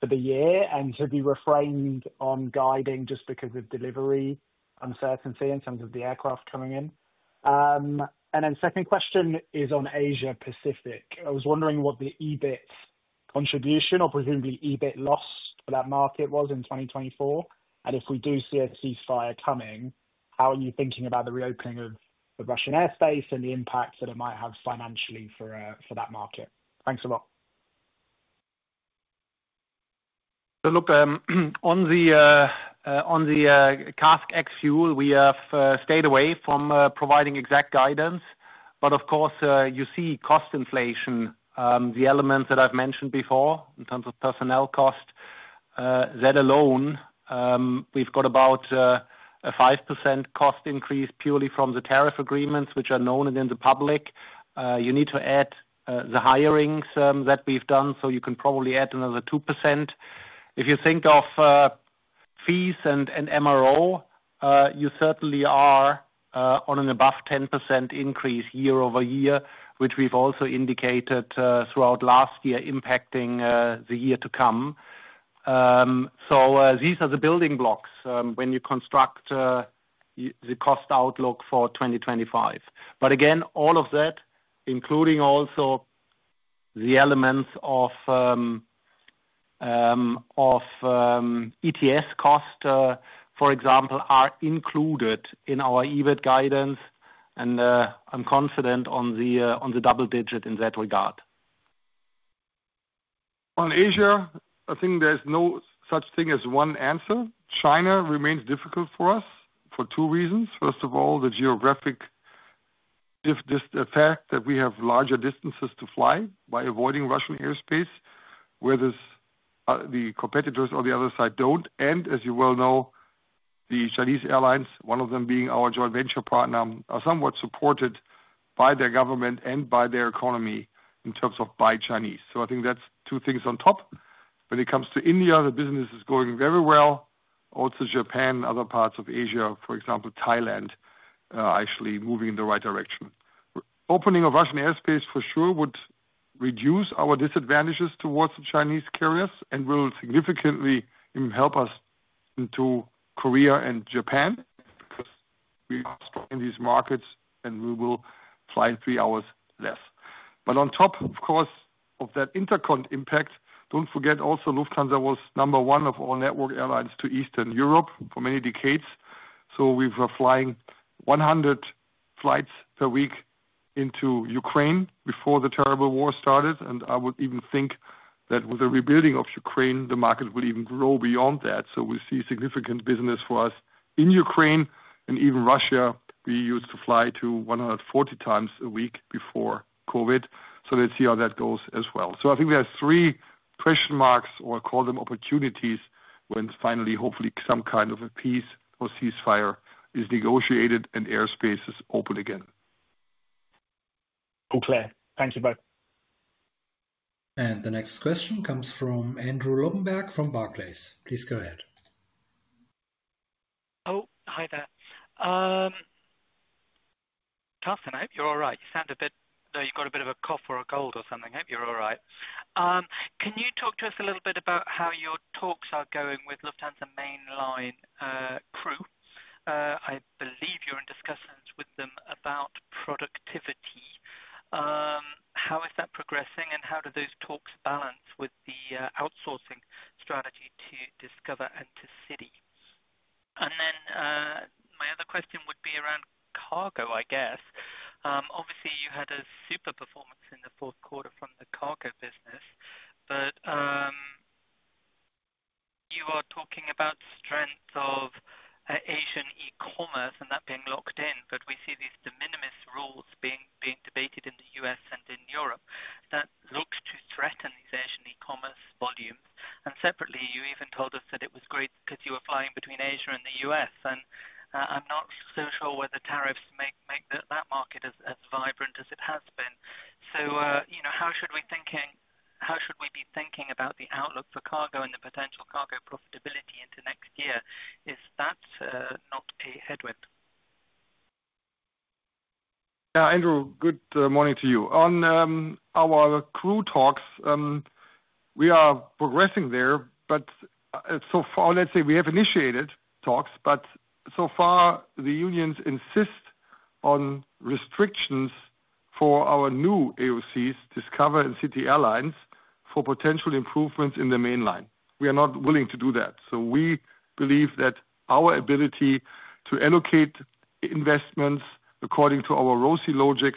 for the year and to be refrained on guiding just because of delivery uncertainty in terms of the aircraft coming in. And then second question is on Asia-Pacific. I was wondering what the EBIT contribution or presumably EBIT loss for that market was in 2024. And if we do see a ceasefire coming, how are you thinking about the reopening of the Russian airspace and the impact that it might have financially for that market? Thanks a lot. Look, on the CASK ex-fuel, we have stayed away from providing exact guidance. But of course, you see cost inflation, the elements that I've mentioned before in terms of personnel cost. That alone, we've got about a 5% cost increase purely from the tariff agreements, which are known and in the public. You need to add the hirings that we've done, so you can probably add another 2%. If you think of fees and MRO, you certainly are on an above 10% increase year-over-year, which we've also indicated throughout last year impacting the year to come. So these are the building blocks when you construct the cost outlook for 2025. But again, all of that, including also the elements of ETS cost, for example, are included in our EBIT guidance. And I'm confident on the double digit in that regard. On Asia, I think there's no such thing as one answer. China remains difficult for us for two reasons. First of all, the geographic fact that we have larger distances to fly by avoiding Russian airspace, whereas the competitors on the other side don't, and as you well know, the Chinese airlines, one of them being our joint venture partner, are somewhat supported by their government and by their economy in terms of by Chinese, so I think that's two things on top. When it comes to India, the business is going very well. Also, Japan and other parts of Asia, for example, Thailand, are actually moving in the right direction. Opening of Russian airspace for sure would reduce our disadvantages towards the Chinese carriers and will significantly help us into Korea and Japan because we are strong in these markets and we will fly three hours less. But on top, of course, of that Intercon impact, don't forget also Lufthansa was number one of all network airlines to Eastern Europe for many decades. So we were flying 100 flights per week into Ukraine before the terrible war started. And I would even think that with the rebuilding of Ukraine, the market will even grow beyond that. So we see significant business for us in Ukraine. And even Russia, we used to fly to 140 times a week before COVID. So let's see how that goes as well. So I think there's three question marks or call them opportunities when finally, hopefully, some kind of a peace or ceasefire is negotiated and airspace is open again. All clear. Thank you both. And the next question comes from Andrew Lobbenberg from Barclays. Please go ahead. Oh, hi there. Carsten, I hope you're all right. You sound a bit like you've got a bit of a cough or a cold or something. I hope you're all right. Can you talk to us a little bit about how your talks are going with Lufthansa mainline crew? I believe you're in discussions with them about productivity. How is that progressing and how do those talks balance with the outsourcing strategy to Discover and to City? And then my other question would be around cargo, I guess. Obviously, you had a super performance in the fourth quarter from the cargo business, but you are talking about strength of Asian e-commerce and that being locked in. But we see these de minimis rules being debated in the U.S. and in Europe that look to threaten these Asian e-commerce volumes. And separately, you even told us that it was great because you were flying between Asia and the U.S. I'm not so sure whether tariffs make that market as vibrant as it has been. How should we think about the outlook for cargo and the potential cargo profitability into next year? Is that not a headwind? Yeah, Andrew, good morning to you. On our crew talks, we are progressing there, but so far, let's say we have initiated talks, but so far, the unions insist on restrictions for our new AOCs, Discover Airlines and City Airlines, for potential improvements in the mainline. We are not willing to do that. We believe that our ability to allocate investments according to our ROCE logic,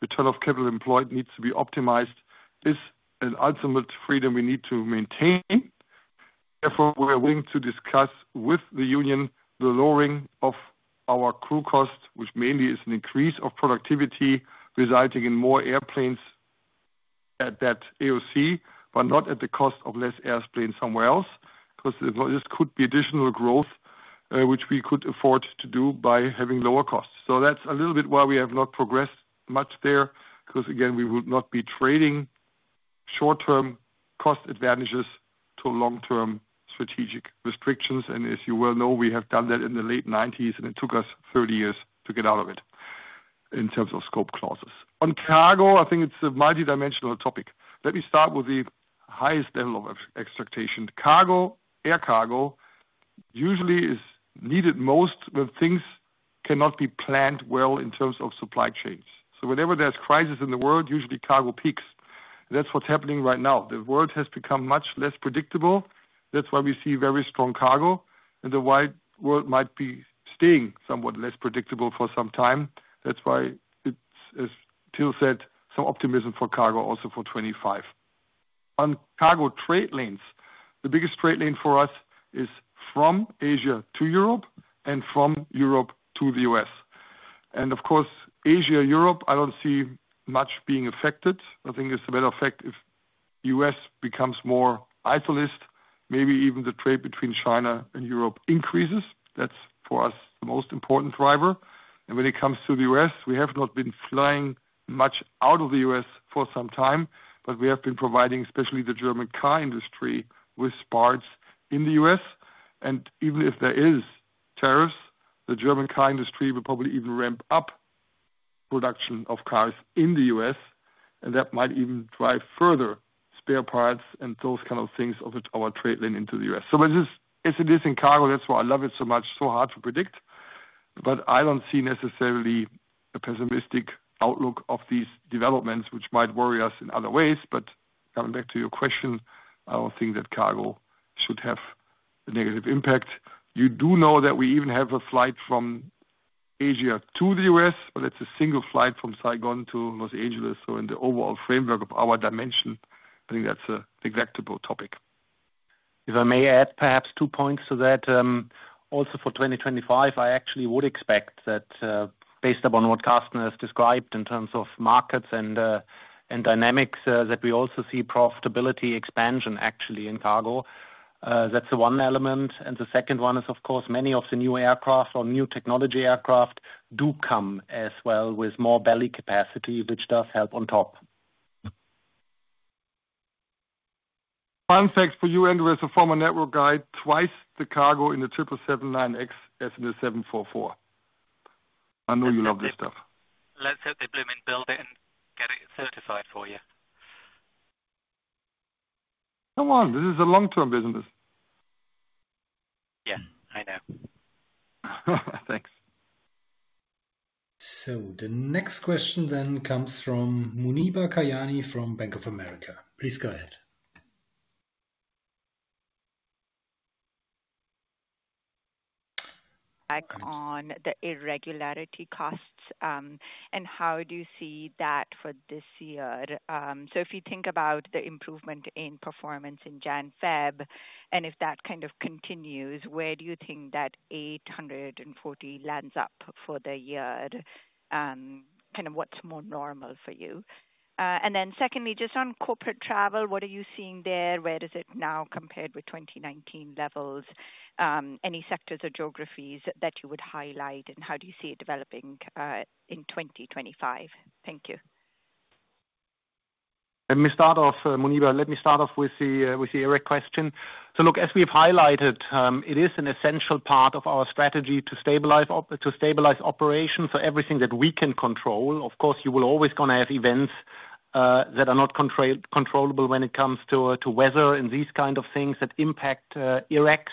return on capital employed needs to be optimized, is an ultimate freedom we need to maintain. Therefore, we are willing to discuss with the union the lowering of our crew cost, which mainly is an increase of productivity resulting in more airplanes at that AOC, but not at the cost of less airplanes somewhere else, because this could be additional growth, which we could afford to do by having lower costs. So that's a little bit why we have not progressed much there, because, again, we would not be trading short-term cost advantages to long-term strategic restrictions. And as you well know, we have done that in the late 1990s, and it took us 30 years to get out of it in terms of scope clauses. On cargo, I think it's a multidimensional topic. Let me start with the highest level of expectation. Cargo, air cargo, usually is needed most when things cannot be planned well in terms of supply chains. So whenever there's a crisis in the world, usually cargo peaks. That's what's happening right now. The world has become much less predictable. That's why we see very strong cargo. And the wider world might be staying somewhat less predictable for some time. That's why, as Till said, some optimism for cargo also for 2025. On cargo trade lanes, the biggest trade lane for us is from Asia to Europe and from Europe to the U.S. And of course, Asia-Europe, I don't see much being affected. I think it's a matter of fact if the U.S. becomes more isolationist, maybe even the trade between China and Europe increases. That's for us the most important driver. And when it comes to the U.S., we have not been flying much out of the U.S. for some time, but we have been providing, especially the German car industry, with parts in the U.S. Even if there are tariffs, the German car industry will probably even ramp up production of cars in the U.S. That might even drive further spare parts and those kind of things of our trade lane into the U.S. So it's a distant cargo. That's why I love it so much. So hard to predict. I don't see necessarily a pessimistic outlook of these developments, which might worry us in other ways. Coming back to your question, I don't think that cargo should have a negative impact. You do know that we even have a flight from Asia to the U.S., but it's a single flight from Saigon to Los Angeles. So in the overall framework of our dimension, I think that's an executable topic. If I may add perhaps two points to that, also for 2025, I actually would expect that based upon what Carsten has described in terms of markets and dynamics, that we also see profitability expansion actually in cargo. That's the one element. And the second one is, of course, many of the new aircraft or new technology aircraft do come as well with more belly capacity, which does help on top. Fun fact for you, Andrew, as a former network guy, twice the cargo in the 777-9X as in the 744. I know you love this stuff. Let's hope they build it and get it certified for you. Come on, this is a long-term business. Yeah, I know. Thanks. So the next question then comes from Muneeba Kayani from Bank of America. Please go ahead. Back on the irregularity costs and how do you see that for this year? So if you think about the improvement in performance in Jan-Feb, and if that kind of continues, where do you think that 840 lands up for the year? Kind of what's more normal for you? And then secondly, just on corporate travel, what are you seeing there? Where does it now compare with 2019 levels? Any sectors or geographies that you would highlight and how do you see it developing in 2025? Thank you. Let me start off, Muneeba, let me start off with the question. So look, as we've highlighted, it is an essential part of our strategy to stabilize operations for everything that we can control. Of course, you will always going to have events that are not controllable when it comes to weather and these kind of things that impact Irreg,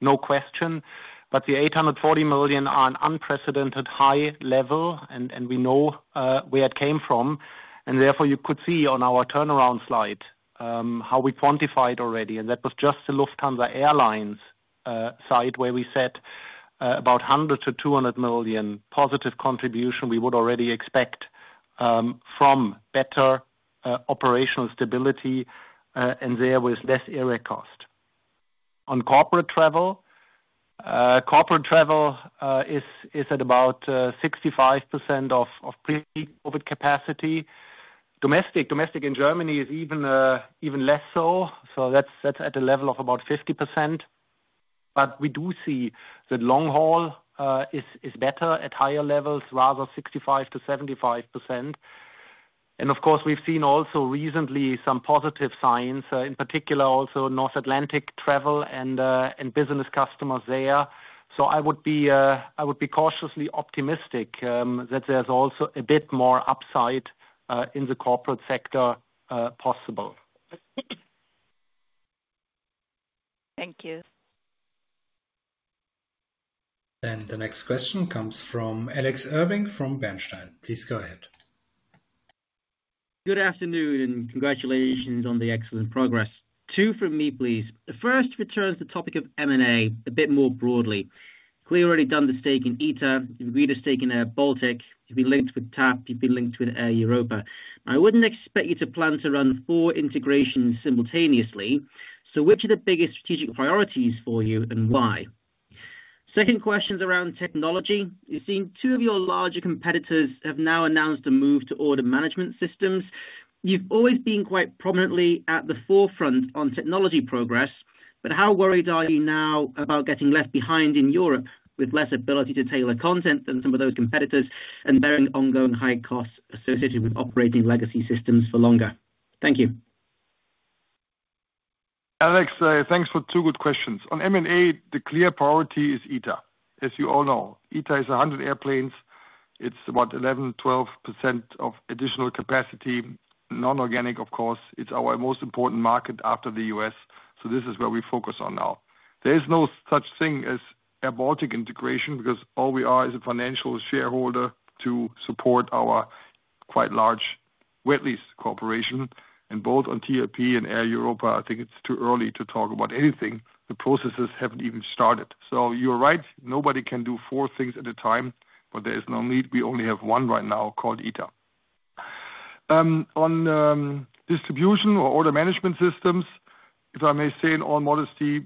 no question. But the 840 million are an unprecedented high level, and we know where it came from. And therefore, you could see on our turnaround slide how we quantified already. And that was just the Lufthansa Airlines side where we said about 100 million-200 million positive contribution we would already expect from better operational stability and there with less Irreg cost. On corporate travel, corporate travel is at about 65% of pre-COVID capacity. Domestic in Germany is even less so. So that's at a level of about 50%. But we do see that long haul is better at higher levels, rather 65%-75%. And of course, we've seen also recently some positive signs, in particular also North Atlantic travel and business customers there. So I would be cautiously optimistic that there's also a bit more upside in the corporate sector possible. Thank you. And the next question comes from Alex Irving from Bernstein. Please go ahead. Good afternoon, and congratulations on the excellent progress. Two from me, please. The first returns to the topic of M&A a bit more broadly. Clearly, you've already done the stake in ITA. You've agreed to stake in airBaltic. You've been linked with TAP. You've been linked with Air Europa. I wouldn't expect you to plan to run four integrations simultaneously. So which are the biggest strategic priorities for you and why? Second question is around technology. You've seen two of your larger competitors have now announced a move to order management systems. You've always been quite prominently at the forefront on technology progress, but how worried are you now about getting left behind in Europe with less ability to tailor content than some of those competitors and bearing ongoing high costs associated with operating legacy systems for longer? Thank you. Alex, thanks for two good questions. On M&A, the clear priority is ITA, as you all know. ITA is 100 airplanes. It's about 11%-12% of additional capacity. Non-organic, of course, it's our most important market after the U.S. So this is where we focus on now. There is no such thing as airBaltic integration because all we are is a financial shareholder to support our quite large wet-lease cooperation. And both on TAP and Air Europa, I think it's too early to talk about anything. The processes haven't even started. So you're right. Nobody can do four things at a time, but there is no need. We only have one right now called ITA. On distribution or order management systems, if I may say in all modesty,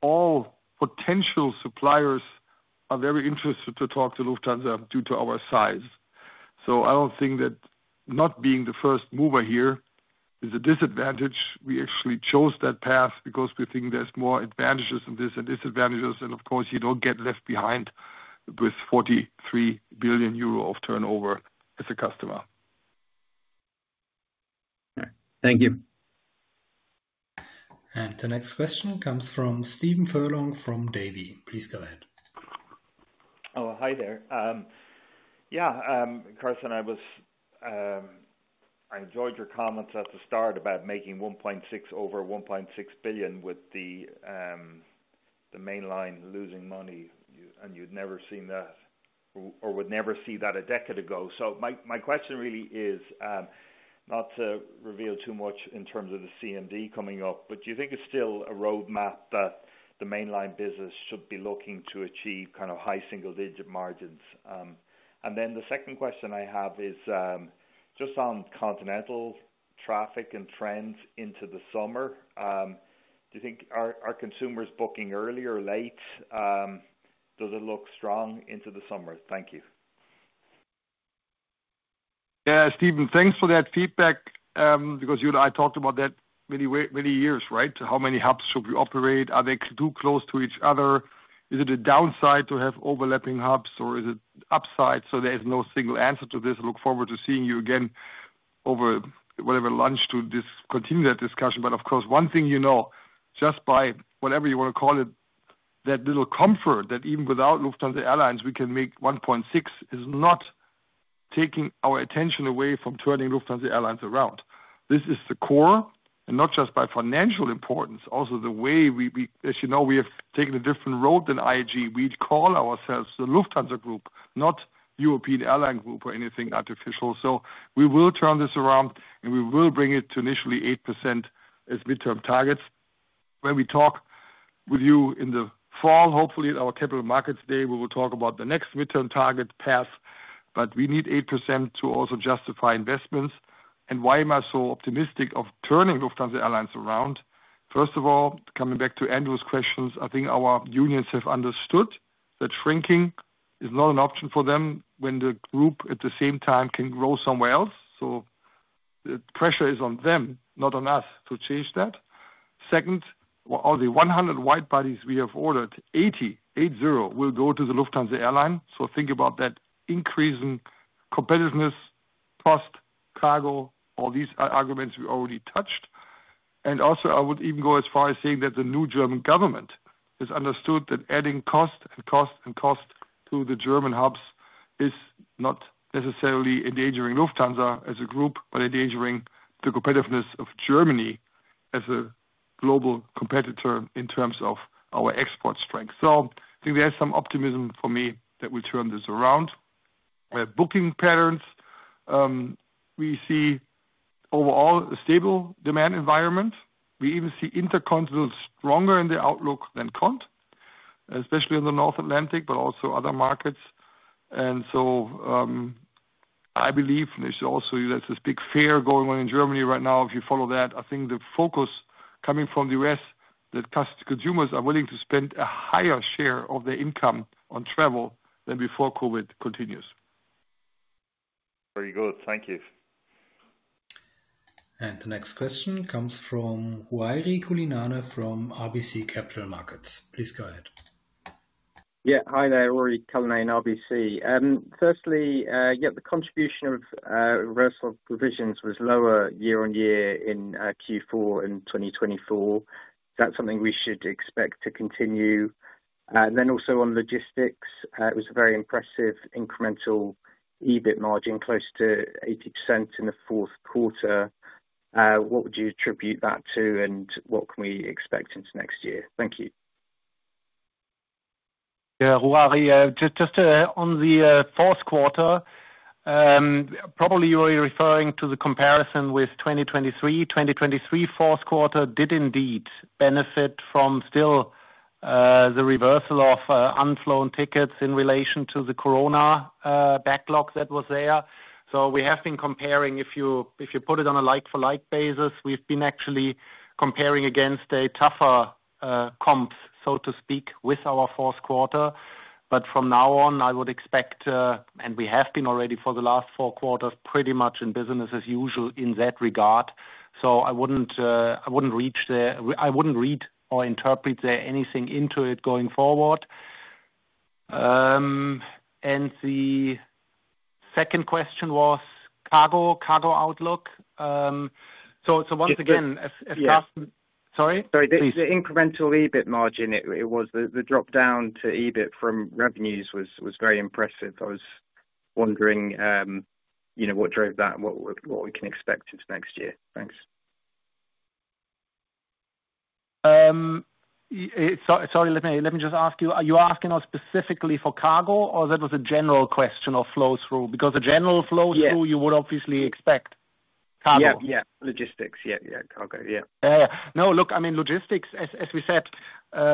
all potential suppliers are very interested to talk to Lufthansa due to our size. So I don't think that not being the first mover here is a disadvantage. We actually chose that path because we think there's more advantages in this and disadvantages. And of course, you don't get left behind with 43 billion euro of turnover as a customer. Thank you. And the next question comes from Stephen Furlong from Davy. Please go ahead. Oh, hi there. Yeah, Carsten, I enjoyed your comments at the start about making 1.6 billion over 1.6 billion with the mainline losing money, and you'd never seen that or would never see that a decade ago. So my question really is not to reveal too much in terms of the CMD coming up, but do you think it's still a roadmap that the mainline business should be looking to achieve kind of high single-digit margins? And then the second question I have is just on continental traffic and trends into the summer. Do you think are consumers booking early or late? Does it look strong into the summer? Thank you. Yeah, Stephen, thanks for that feedback because I talked about that many years, right? How many hubs should we operate? Are they too close to each other? Is it a downside to have overlapping hubs, or is it upside? So there is no single answer to this. I look forward to seeing you again over whatever lunch to discontinue that discussion. But of course, one thing you know, just by whatever you want to call it, that little comfort that even without Lufthansa Airlines, we can make 1.6 is not taking our attention away from turning Lufthansa Airlines around. This is the core, and not just by financial importance, also the way we, as you know, we have taken a different road than IAG. We call ourselves the Lufthansa Group, not European Airline Group or anything artificial. So we will turn this around, and we will bring it to initially 8% as midterm targets. When we talk with you in the fall, hopefully at our Capital Markets Day, we will talk about the next midterm target path, but we need 8% to also justify investments. And why am I so optimistic of turning Lufthansa Airlines around? First of all, coming back to Andrew's questions, I think our unions have understood that shrinking is not an option for them when the group at the same time can grow somewhere else. So the pressure is on them, not on us, to change that. Second, of the 100 wide-bodies we have ordered, 80, 8-0, will go to the Lufthansa Airline. So think about that increasing competitiveness, cost, cargo, all these arguments we already touched, and also, I would even go as far as saying that the new German government has understood that adding cost and cost and cost to the German hubs is not necessarily endangering Lufthansa as a group, but endangering the competitiveness of Germany as a global competitor in terms of our export strength. So I think there's some optimism for me that we'll turn this around. Booking patterns, we see overall a stable demand environment. We even see intercontinental stronger in the outlook than Cont, especially in the North Atlantic, but also other markets, and so I believe there's also this big fair going on in Germany right now. If you follow that, I think the focus coming from the U.S. that consumers are willing to spend a higher share of their income on travel than before COVID continues. Very good. Thank you. And the next question comes from Ruairi Cullinane from RBC Capital Markets. Please go ahead. Yeah, hi there. Ruairi Cullinane in RBC. Firstly, yeah, the contribution of reversal provisions was lower year on year in Q4 in 2024. That's something we should expect to continue, and then also on logistics, it was a very impressive incremental EBIT margin, close to 80% in the fourth quarter. What would you attribute that to, and what can we expect into next year? Thank you. Yeah, Ruairi, just on the fourth quarter, probably you're referring to the comparison with 2023. 2023 fourth quarter did indeed benefit from still the reversal of unflown tickets in relation to the Corona backlog that was there, so we have been comparing, if you put it on a like-for-like basis, we've been actually comparing against a tougher comp, so to speak, with our fourth quarter, but from now on, I would expect, and we have been already for the last four quarters, pretty much in business as usual in that regard, so I wouldn't read or interpret there anything into it going forward, and the second question was cargo outlook, so once again, as Carsten, sorry? Sorry, the incremental EBIT margin, it was the drop down to EBIT from revenues was very impressive. I was wondering what drove that, what we can expect into next year. Thanks. Sorry, let me just ask you, are you asking us specifically for cargo or that was a general question or flow through? Because a general flow through, you would obviously expect cargo. Yeah, yeah, logistics. Yeah, yeah, cargo. Yeah. Yeah, yeah. No, look, I mean, logistics, as we said,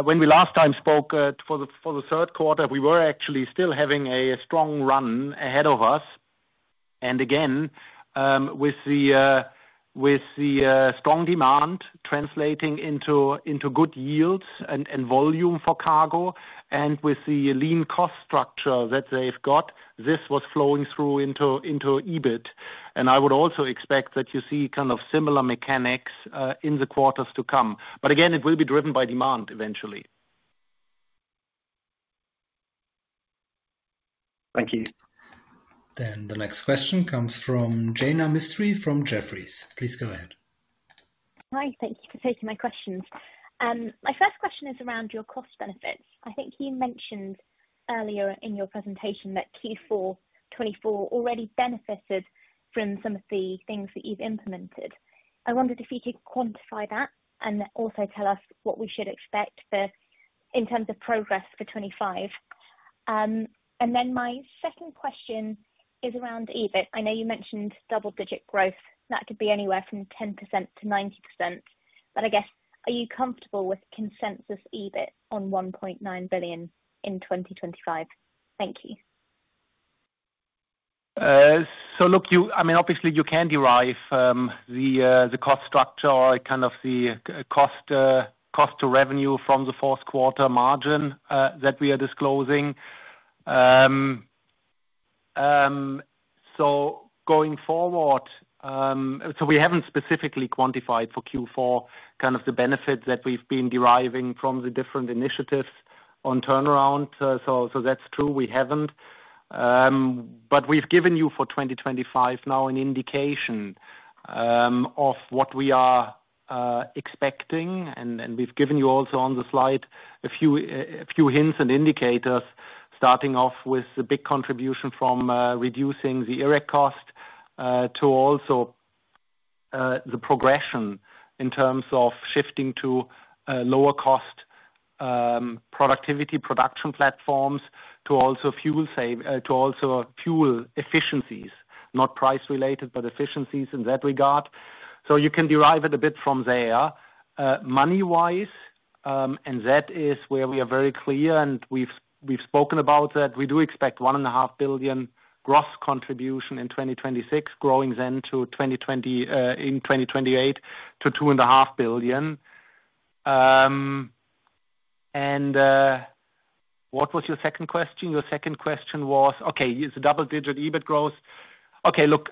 when we last time spoke for the third quarter, we were actually still having a strong run ahead of us. And again, with the strong demand translating into good yields and volume for cargo, and with the lean cost structure that they've got, this was flowing through into EBIT. And I would also expect that you see kind of similar mechanics in the quarters to come. But again, it will be driven by demand eventually. Thank you. Then the next question comes from Jaina Mistry from Jefferies. Please go ahead. Hi, thank you for taking my questions. My first question is around your cost benefits. I think you mentioned earlier in your presentation that Q4 2024 already benefited from some of the things that you've implemented. I wondered if you could quantify that and also tell us what we should expect in terms of progress for 2025. And then my second question is around EBIT. I know you mentioned double-digit growth. That could be anywhere from 10%-90%. But I guess, are you comfortable with consensus EBIT on 1.9 billion in 2025? Thank you. So look, I mean, obviously, you can derive the cost structure or kind of the cost to revenue from the fourth quarter margin that we are disclosing. So going forward, so we haven't specifically quantified for Q4 kind of the benefits that we've been deriving from the different initiatives on turnaround. So that's true. We haven't. But we've given you for 2025 now an indication of what we are expecting. And we've given you also on the slide a few hints and indicators, starting off with the big contribution from reducing the Irreg cost to also the progression in terms of shifting to lower-cost productivity production platforms to also fuel efficiencies, not price-related, but efficiencies in that regard. So you can derive it a bit from there. Money-wise, and that is where we are very clear, and we've spoken about that. We do expect 1.5 billion gross contribution in 2026, growing then to 2028 to 2.5 billion. And what was your second question? Your second question was, okay, it's a double-digit EBIT growth. Okay, look,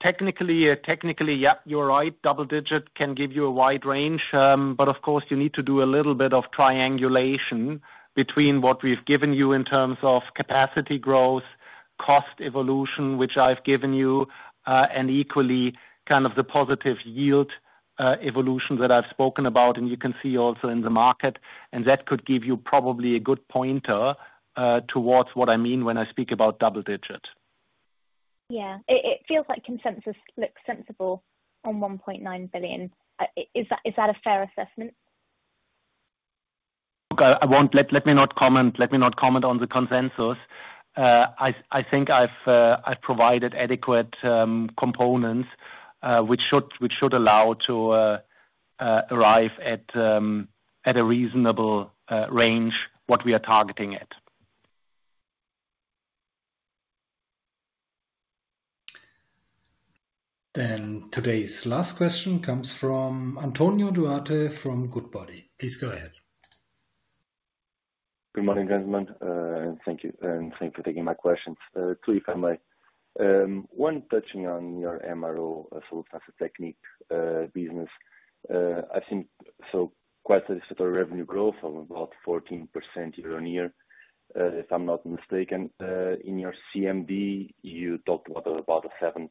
technically, yeah, you're right. Double-digit can give you a wide range. But of course, you need to do a little bit of triangulation between what we've given you in terms of capacity growth, cost evolution, which I've given you, and equally kind of the positive yield evolution that I've spoken about. And you can see also in the market. And that could give you probably a good pointer towards what I mean when I speak about double-digit. Yeah, it feels like consensus looks sensible on 1.9 billion. Is that a fair assessment? Look, let me not comment on the consensus. I think I've provided adequate components, which should allow to arrive at a reasonable range what we are targeting at. Then today's last question comes from Antonio Duarte from Goodbody. Please go ahead. Good morning, gentlemen. Thank you. And thank you for taking my questions. Three if I may. One touching on your MRO, so Lufthansa Technik business. I've seen quite satisfactory revenue growth of about 14% year on year, if I'm not mistaken. In your CMD, you talked about a 7%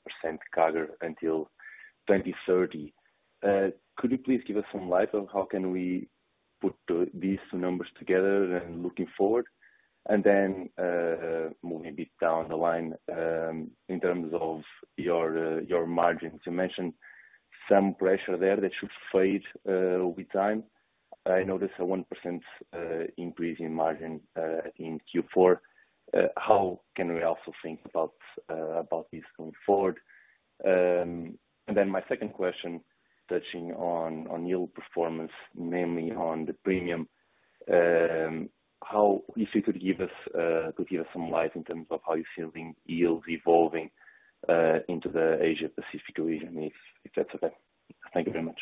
CAGR until 2030. Could you please give us some light on how can we put these two numbers together and looking forward? And then moving a bit down the line in terms of your margins. You mentioned some pressure there that should fade with time. I noticed a one% increase in margin in Q4. How can we also think about this going forward? And then my second question, touching on yield performance, namely on the premium, if you could give us some light in terms of how you're feeling yields evolving into the Asia-Pacific region, if that's okay. Thank you very much.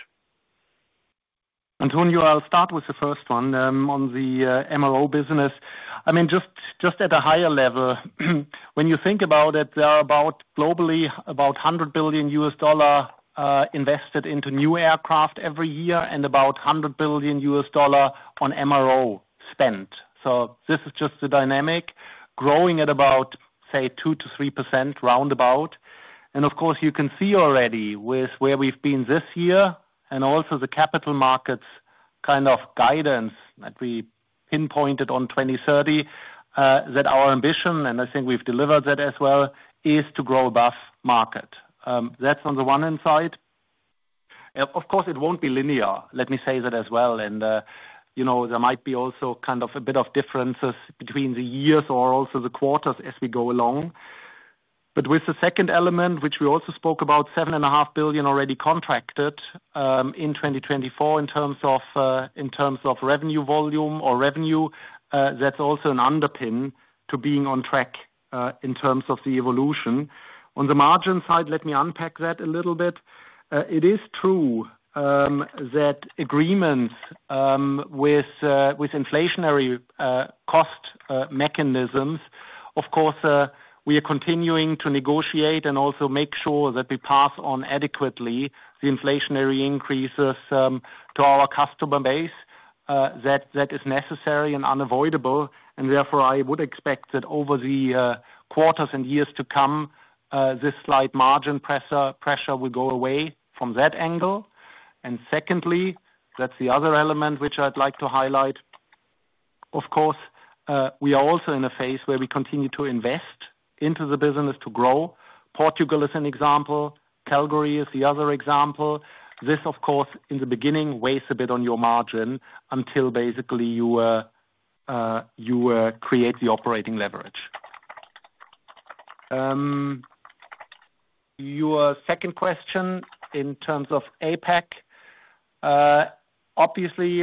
Antonio, I'll start with the first one on the MRO business. I mean, just at a higher level, when you think about it, there are about globally about $100 billion invested into new aircraft every year and about $100 billion on MRO spend. So this is just the dynamic growing at about, say, 2%-3% roundabout. And of course, you can see already with where we've been this year and also the capital markets kind of guidance that we pinpointed on 2030 that our ambition, and I think we've delivered that as well, is to grow above market. That's on the one hand side. Of course, it won't be linear. Let me say that as well. And there might be also kind of a bit of differences between the years or also the quarters as we go along. But with the second element, which we also spoke about, 7.5 billion already contracted in 2024 in terms of revenue volume or revenue, that's also an underpin to being on track in terms of the evolution. On the margin side, let me unpack that a little bit. It is true that agreements with inflationary cost mechanisms, of course, we are continuing to negotiate and also make sure that we pass on adequately the inflationary increases to our customer base that is necessary and unavoidable. And therefore, I would expect that over the quarters and years to come, this slight margin pressure will go away from that angle. And secondly, that's the other element which I'd like to highlight. Of course, we are also in a phase where we continue to invest into the business to grow. Portugal is an example. Calgary is the other example. This, of course, in the beginning weighs a bit on your margin until basically you create the operating leverage. Your second question in terms of APAC, obviously,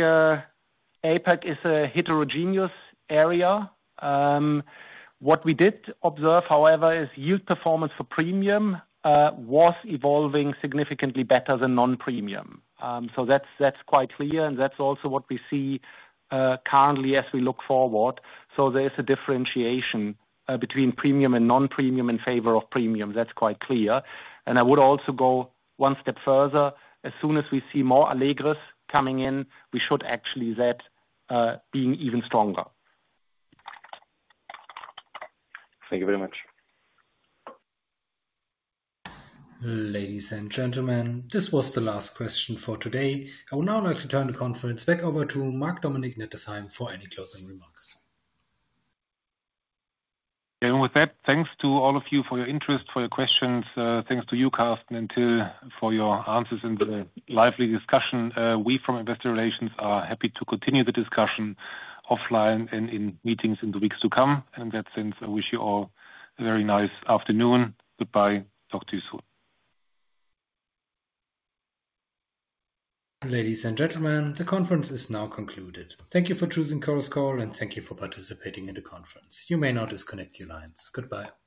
APAC is a heterogeneous area. What we did observe, however, is yield performance for premium was evolving significantly better than non-premium. So that's quite clear, and that's also what we see currently as we look forward. So there is a differentiation between premium and non-premium in favor of premium. That's quite clear, and I would also go one step further. As soon as we see more Allegris coming in, we should actually that being even stronger. Thank you very much. Ladies and gentlemen, this was the last question for today. I would now like to turn the conference back over to Marc-Dominic Nettesheim for any closing remarks, and with that, thanks to all of you for your interest, for your questions. Thanks to you, Carsten, for your answers and the lively discussion. We from Investor Relations are happy to continue the discussion offline and in meetings in the weeks to come, and in that sense, I wish you all a very nice afternoon. Goodbye. Talk to you soon. Ladies and gentlemen, the conference is now concluded. Thank you for choosing Chorus Call, and thank you for participating in the conference. You may now disconnect your lines. Goodbye.